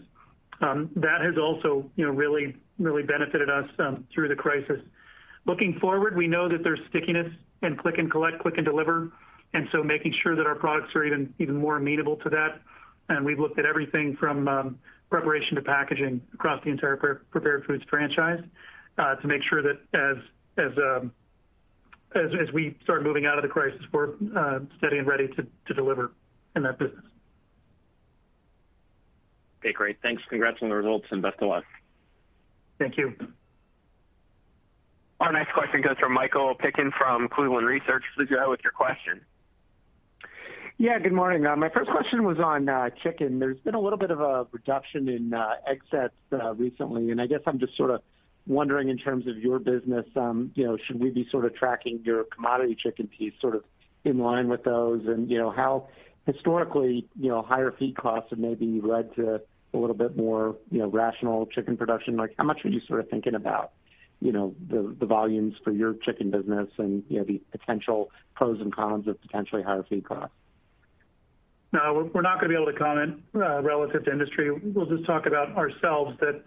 S3: That has also really benefited us through the crisis. Looking forward, we know that there's stickiness in click and collect, click and deliver, making sure that our products are even more amenable to that. We've looked at everything from preparation to packaging across the entire prepared foods franchise to make sure that as we start moving out of the crisis, we're steady and ready to deliver in that business.
S10: Okay, great. Thanks. Congrats on the results, and best of luck.
S3: Thank you.
S1: Our next question goes to Michael Piken from Cleveland Research. Please go ahead with your question.
S11: Yeah, good morning. My first question was on chicken. There's been a little bit of a reduction in egg sets recently. I guess I'm just sort of wondering in terms of your business, should we be sort of tracking your commodity chicken piece sort of in line with those? How historically, higher feed costs have maybe led to a little bit more rational chicken production. How much are you sort of thinking about the volumes for your chicken business and the potential pros and cons of potentially higher feed costs?
S3: No, we're not going to be able to comment relative to industry. We'll just talk about ourselves that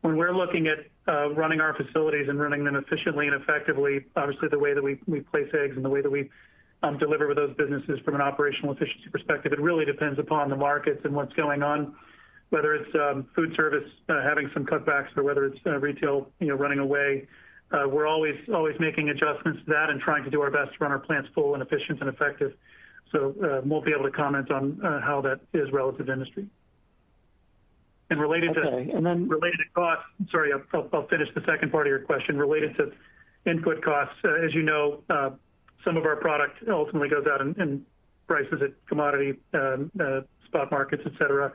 S3: when we're looking at running our facilities and running them efficiently and effectively, obviously the way that we place eggs and the way that we deliver those businesses from an operational efficiency perspective, it really depends upon the markets and what's going on, whether it's food service having some cutbacks or whether it's retail running away. We're always making adjustments to that and trying to do our best to run our plants full and efficient and effective. Won't be able to comment on how that is relative to industry.
S11: Okay.
S3: Related to costs, sorry, I'll finish the second part of your question. Related to input costs, as you know, some of our product ultimately goes out and prices at commodity spot markets, et cetera.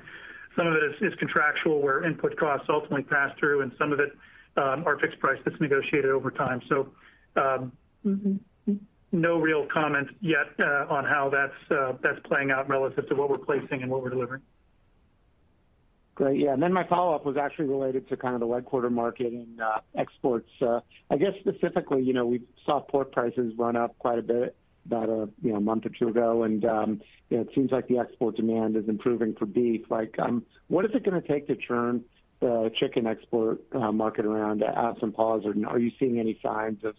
S3: Some of it is contractual where input costs ultimately pass through and some of it are fixed price that's negotiated over time. No real comment yet on how that's playing out relative to what we're placing and what we're delivering.
S11: Great, yeah. My follow-up was actually related to the leg quarter market and exports. I guess specifically, we saw pork prices run up quite a bit about a month or two ago, and it seems like the export demand is improving for beef. What is it going to take to turn the chicken export market around at some pause? Are you seeing any signs of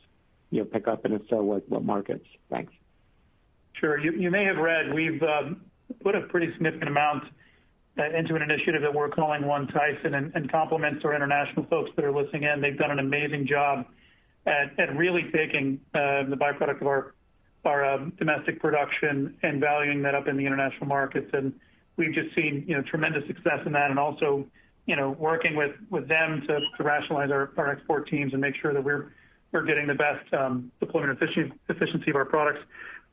S11: pickup, and if so, what markets? Thanks.
S3: Sure. You may have read, we've put a pretty significant amount into an initiative that we're calling One Tyson. Compliments to our international folks that are listening in. They've done an amazing job at really taking the byproduct of our domestic production and valuing that up in the international markets. We've just seen tremendous success in that, also working with them to rationalize our export teams and make sure that we're getting the best deployment efficiency of our products.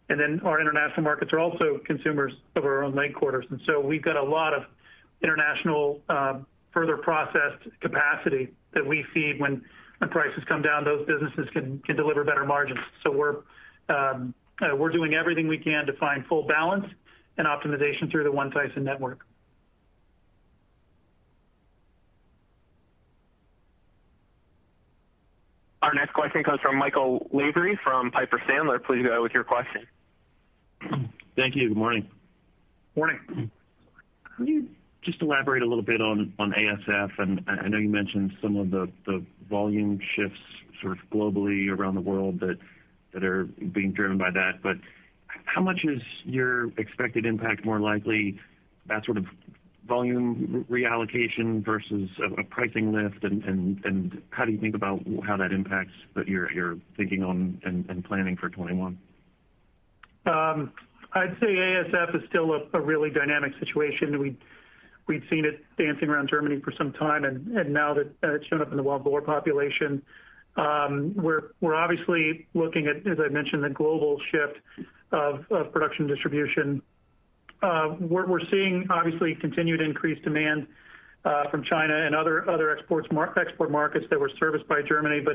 S3: Our international markets are also consumers of our own leg quarters. We've got a lot of international further processed capacity that we feed. When prices come down, those businesses can deliver better margins. We're doing everything we can to find full balance and optimization through the One Tyson network.
S1: Our next question comes from Michael Lavery from Piper Sandler. Please go ahead with your question.
S12: Thank you. Good morning.
S3: Morning.
S12: Can you just elaborate a little bit on ASF? I know you mentioned some of the volume shifts sort of globally around the world that are being driven by that, but how much is your expected impact more likely that sort of volume reallocation versus a pricing lift, and how do you think about how that impacts what you're thinking on and planning for 2021?
S3: I'd say ASF is still a really dynamic situation. We'd seen it dancing around Germany for some time. Now that it's shown up in the wild boar population, we're obviously looking at, as I mentioned, the global shift of production distribution. We're seeing, obviously, continued increased demand from China and other export markets that were serviced by Germany.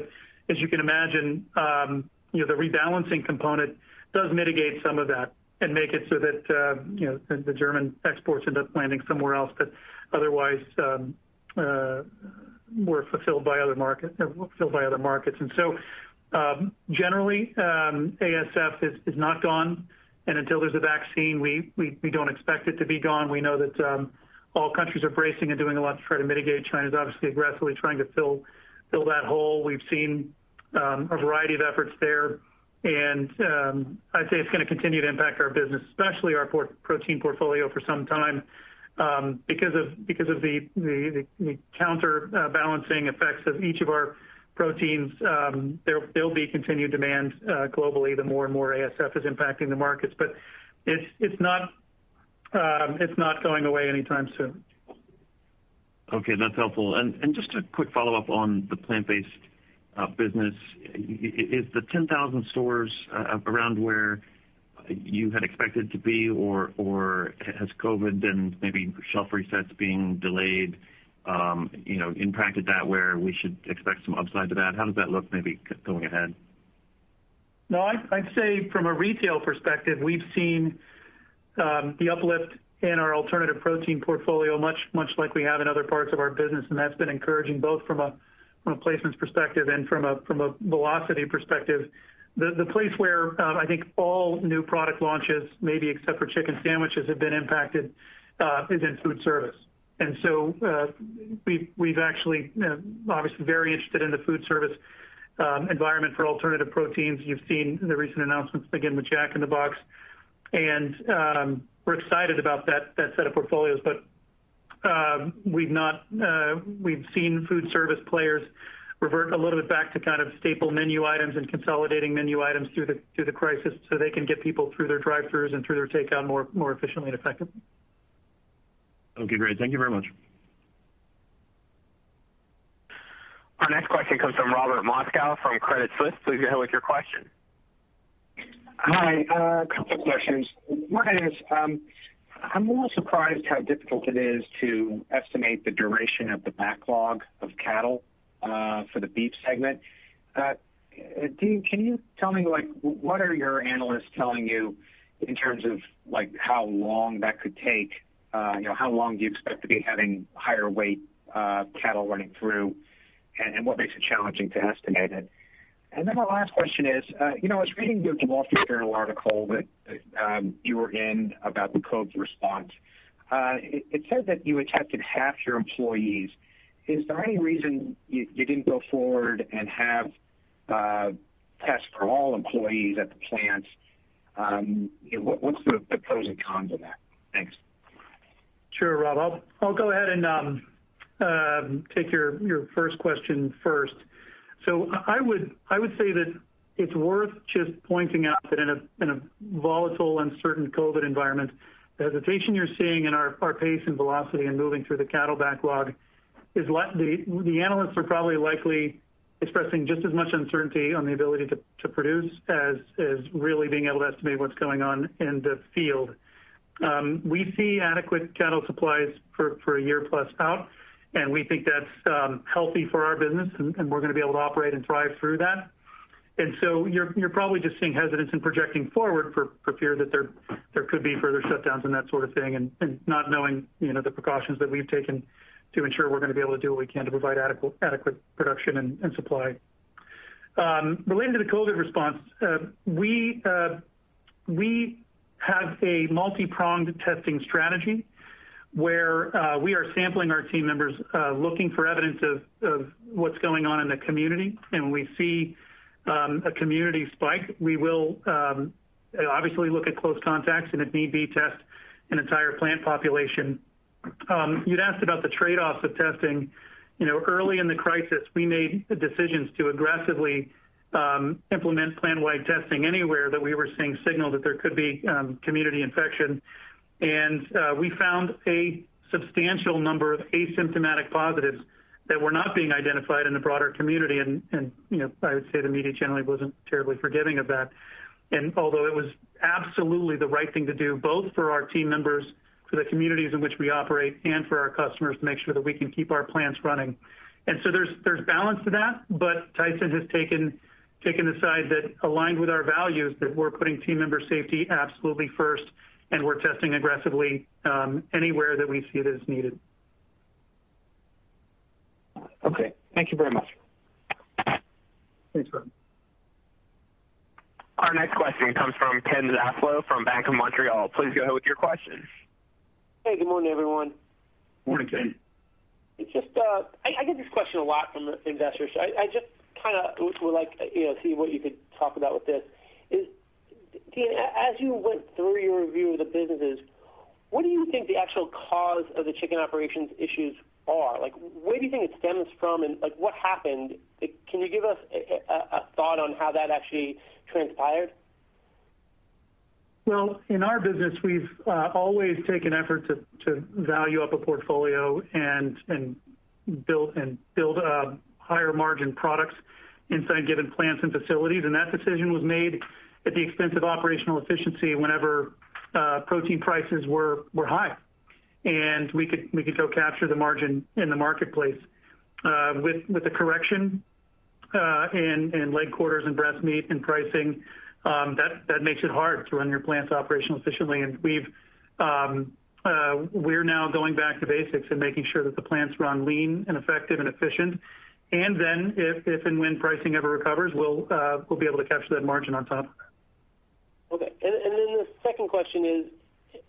S3: As you can imagine, the rebalancing component does mitigate some of that and make it so that the German exports end up landing somewhere else that otherwise were fulfilled by other markets. Generally ASF is not gone. Until there's a vaccine, we don't expect it to be gone. We know that all countries are bracing and doing a lot to try to mitigate. China's obviously aggressively trying to fill that hole. We've seen a variety of efforts there. I'd say it's going to continue to impact our business, especially our protein portfolio, for some time. Because of the counterbalancing effects of each of our proteins, there'll be continued demand globally the more and more ASF is impacting the markets. It's not going away anytime soon.
S12: Okay, that's helpful. Just a quick follow-up on the plant-based business. Is the 10,000 stores around where you had expected to be, or has COVID and maybe shelf resets being delayed impacted that where we should expect some upside to that? How does that look maybe going ahead?
S3: No, I'd say from a retail perspective, we've seen the uplift in our alternative protein portfolio much like we have in other parts of our business, and that's been encouraging both from a placements perspective and from a velocity perspective. The place where I think all new product launches, maybe except for chicken sandwiches, have been impacted is in food service. We've actually obviously very interested in the food service environment for alternative proteins. You've seen the recent announcements, again, with Jack in the Box, and we're excited about that set of portfolios. We've seen food service players revert a little bit back to kind of staple menu items and consolidating menu items through the crisis so they can get people through their drive-throughs and through their takeout more efficiently and effectively.
S12: Okay, great. Thank you very much.
S1: Our next question comes from Robert Moskow from Credit Suisse. Please go ahead with your question.
S13: Hi. A couple questions. One is, I'm a little surprised how difficult it is to estimate the duration of the backlog of cattle for the beef segment. Dean, can you tell me, what are your analysts telling you in terms of how long that could take? How long do you expect to be having higher weight cattle running through, and what makes it challenging to estimate it? My last question is, I was reading The Wall Street Journal article that you were in about the COVID response. It said that you had tested half your employees. Is there any reason you didn't go forward and have tests for all employees at the plants? What's the pros and cons of that? Thanks.
S3: Sure, Rob. I'll go ahead and take your first question first. I would say that it's worth just pointing out that in a volatile, uncertain COVID environment, the hesitation you're seeing in our pace and velocity in moving through the cattle backlog is the analysts are probably likely expressing just as much uncertainty on the ability to produce as really being able to estimate what's going on in the field. We see adequate cattle supplies for a year plus out, and we think that's healthy for our business, and we're going to be able to operate and thrive through that. You're probably just seeing hesitance in projecting forward for fear that there could be further shutdowns and that sort of thing, and not knowing the precautions that we've taken to ensure we're going to be able to do what we can to provide adequate production and supply. Related to the COVID response, we have a multi-pronged testing strategy where we are sampling our team members, looking for evidence of what's going on in the community. When we see a community spike, we will obviously look at close contacts and if need be, test an entire plant population. You'd asked about the trade-offs of testing. Early in the crisis, we made the decisions to aggressively implement plant-wide testing anywhere that we were seeing signals that there could be community infection. We found a substantial number of asymptomatic positives that were not being identified in the broader community, and I would say the media generally wasn't terribly forgiving of that. Although it was absolutely the right thing to do, both for our team members, for the communities in which we operate, and for our customers to make sure that we can keep our plants running. There's balance to that, but Tyson has taken the side that aligned with our values, that we're putting team member safety absolutely first, and we're testing aggressively anywhere that we see it as needed.
S13: Okay. Thank you very much.
S3: Thanks, Ben.
S1: Our next question comes from Ken Zaslow from Bank of Montreal. Please go ahead with your question.
S14: Hey, good morning, everyone.
S3: Morning, Ken.
S14: I get this question a lot from the investors. I just would like to see what you could talk about with this. Dean, as you went through your review of the businesses, what do you think the actual cause of the chicken operations issues are? Where do you think it stems from and what happened? Can you give us a thought on how that actually transpired?
S3: Well, in our business, we've always taken effort to value up a portfolio and build higher margin products inside given plants and facilities. That decision was made at the expense of operational efficiency whenever protein prices were high, and we could go capture the margin in the marketplace. With the correction in leg quarters and breast meat and pricing, that makes it hard to run your plants operationally efficiently. We're now going back to basics and making sure that the plants run lean and effective and efficient. If and when pricing ever recovers, we'll be able to capture that margin on top.
S14: Okay. The second question is,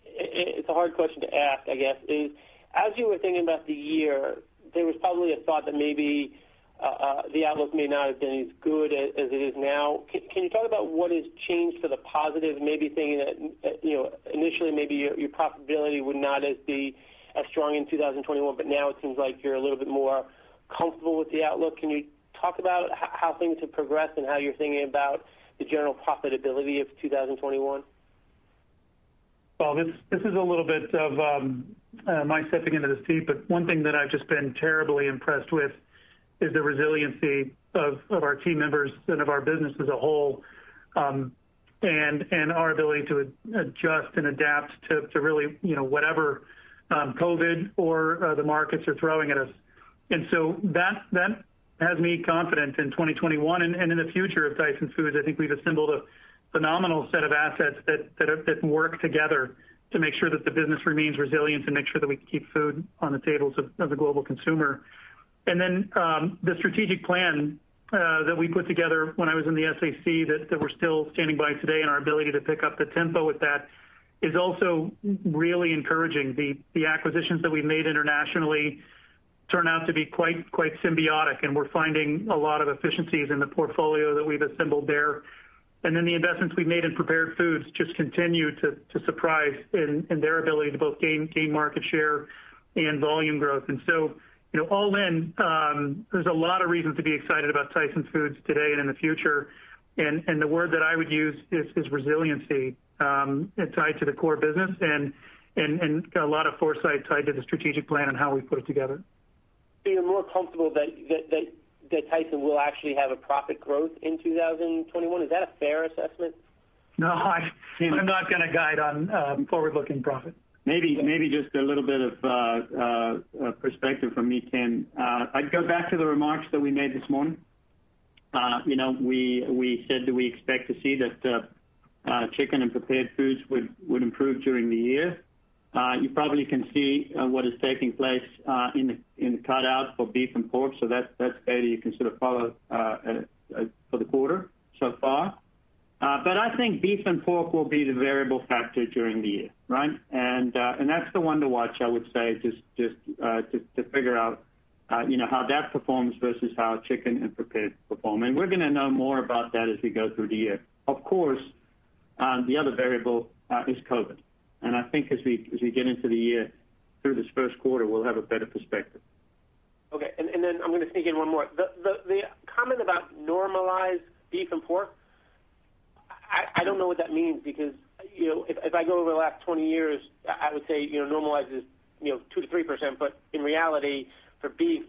S14: it's a hard question to ask, I guess, as you were thinking about the year, there was probably a thought that maybe the outlook may not have been as good as it is now. Can you talk about what has changed for the positive? Maybe thinking that initially your profitability would not be as strong in 2021, but now it seems like you're a little bit more comfortable with the outlook. Can you talk about how things have progressed and how you're thinking about the general profitability of 2021?
S3: This is a little bit of my stepping into this deep, but one thing that I've just been terribly impressed with is the resiliency of our team members and of our business as a whole, and our ability to adjust and adapt to really, whatever COVID-19 or the markets are throwing at us. That has me confident in 2021 and in the future of Tyson Foods. I think we've assembled a phenomenal set of assets that work together to make sure that the business remains resilient and make sure that we can keep food on the tables of the global consumer. The strategic plan that we put together when I was in the SAC, that we're still standing by today, and our ability to pick up the tempo with that, is also really encouraging. The acquisitions that we've made internationally turn out to be quite symbiotic, and we're finding a lot of efficiencies in the portfolio that we've assembled there. The investments we've made in prepared foods just continue to surprise in their ability to both gain market share and volume growth. All in, there's a lot of reasons to be excited about Tyson Foods today and in the future. The word that I would use is resiliency, tied to the core business and a lot of foresight tied to the strategic plan and how we put it together.
S14: You're more comfortable that Tyson will actually have a profit growth in 2021. Is that a fair assessment?
S3: No, I'm not going to guide on forward-looking profit.
S4: Maybe just a little bit of perspective from me, Ken. I'd go back to the remarks that we made this morning. We said that we expect to see that chicken and prepared foods would improve during the year. You probably can see what is taking place in the cutouts for beef and pork, so that's data you can sort of follow for the quarter so far. I think beef and pork will be the variable factor during the year, right? That's the one to watch, I would say, just to figure out how that performs versus how chicken and prepared perform. We're going to know more about that as we go through the year. Of course, the other variable is COVID-19. I think as we get into the year through this first quarter, we'll have a better perspective.
S14: I'm going to sneak in one more. The comment about normalized beef and pork, I don't know what that means because, if I go over the last 20 years, I would say normalize is 2%-3%, but in reality for beef,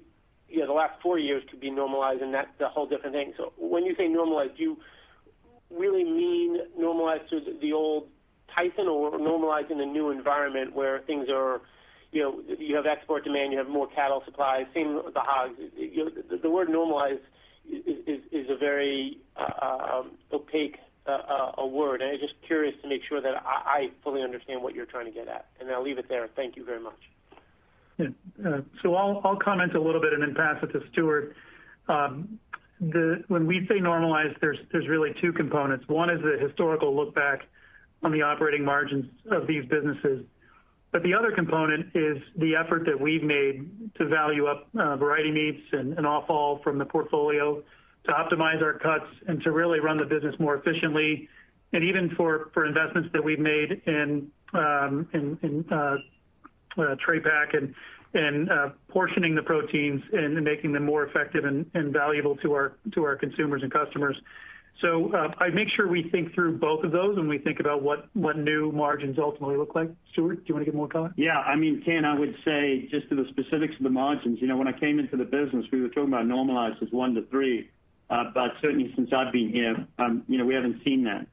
S14: the last 40 years could be normalized and that's a whole different thing. When you say normalized, do you really mean normalized to the old Tyson or normalized in the new environment where you have export demand, you have more cattle supply, same with the hogs? The word normalized is a very opaque word, and I'm just curious to make sure that I fully understand what you're trying to get at, and I'll leave it there. Thank you very much.
S3: I'll comment a little bit and then pass it to Stewart. When we say normalized, there's really two components. One is the historical look back on the operating margins of these businesses. The other component is the effort that we've made to value up variety meats and offal from the portfolio to optimize our cuts and to really run the business more efficiently. Even for investments that we've made in tray pack and portioning the proteins and making them more effective and valuable to our consumers and customers. I make sure we think through both of those when we think about what new margins ultimately look like. Stewart, do you want to give more color?
S4: Yeah. Ken, I would say just to the specifics of the margins, when I came into the business, we were talking about normalized as one to three. Certainly since I've been here, we haven't seen that.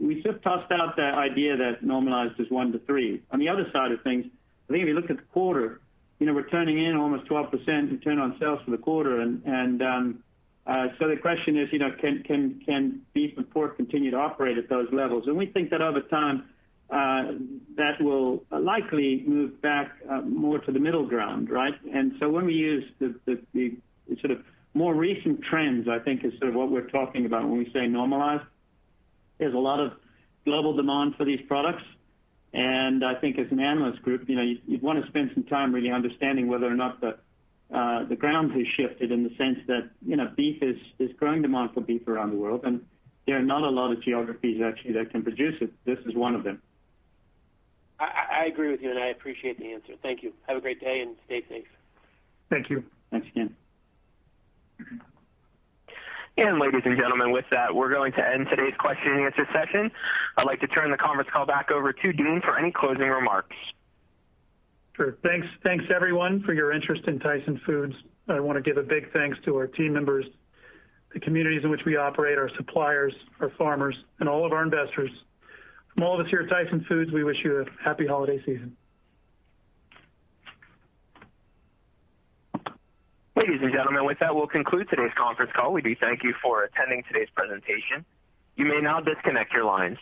S4: We sort of tossed out that idea that normalized is one to three. On the other side of things, I think if you look at the quarter, we're turning in almost 12% return on sales for the quarter. The question is, can beef and pork continue to operate at those levels? We think that over time, that will likely move back more to the middle ground, right? When we use the sort of more recent trends, I think is sort of what we're talking about when we say normalized. There's a lot of global demand for these products, and I think as an analyst group, you'd want to spend some time really understanding whether or not the ground has shifted in the sense that there's growing demand for beef around the world, and there are not a lot of geographies actually that can produce it. This is one of them.
S14: I agree with you. I appreciate the answer. Thank you. Have a great day. Stay safe.
S3: Thank you.
S4: Thanks again.
S1: Ladies and gentlemen, with that, we're going to end today's Q&A session. I'd like to turn the conference call back over to Dean for any closing remarks.
S3: Sure. Thanks everyone for your interest in Tyson Foods. I want to give a big thanks to our team members, the communities in which we operate, our suppliers, our farmers, and all of our investors. From all of us here at Tyson Foods, we wish you a happy holiday season.
S1: Ladies and gentlemen, with that, we'll conclude today's conference call. We do thank you for attending today's presentation. You may now disconnect your lines.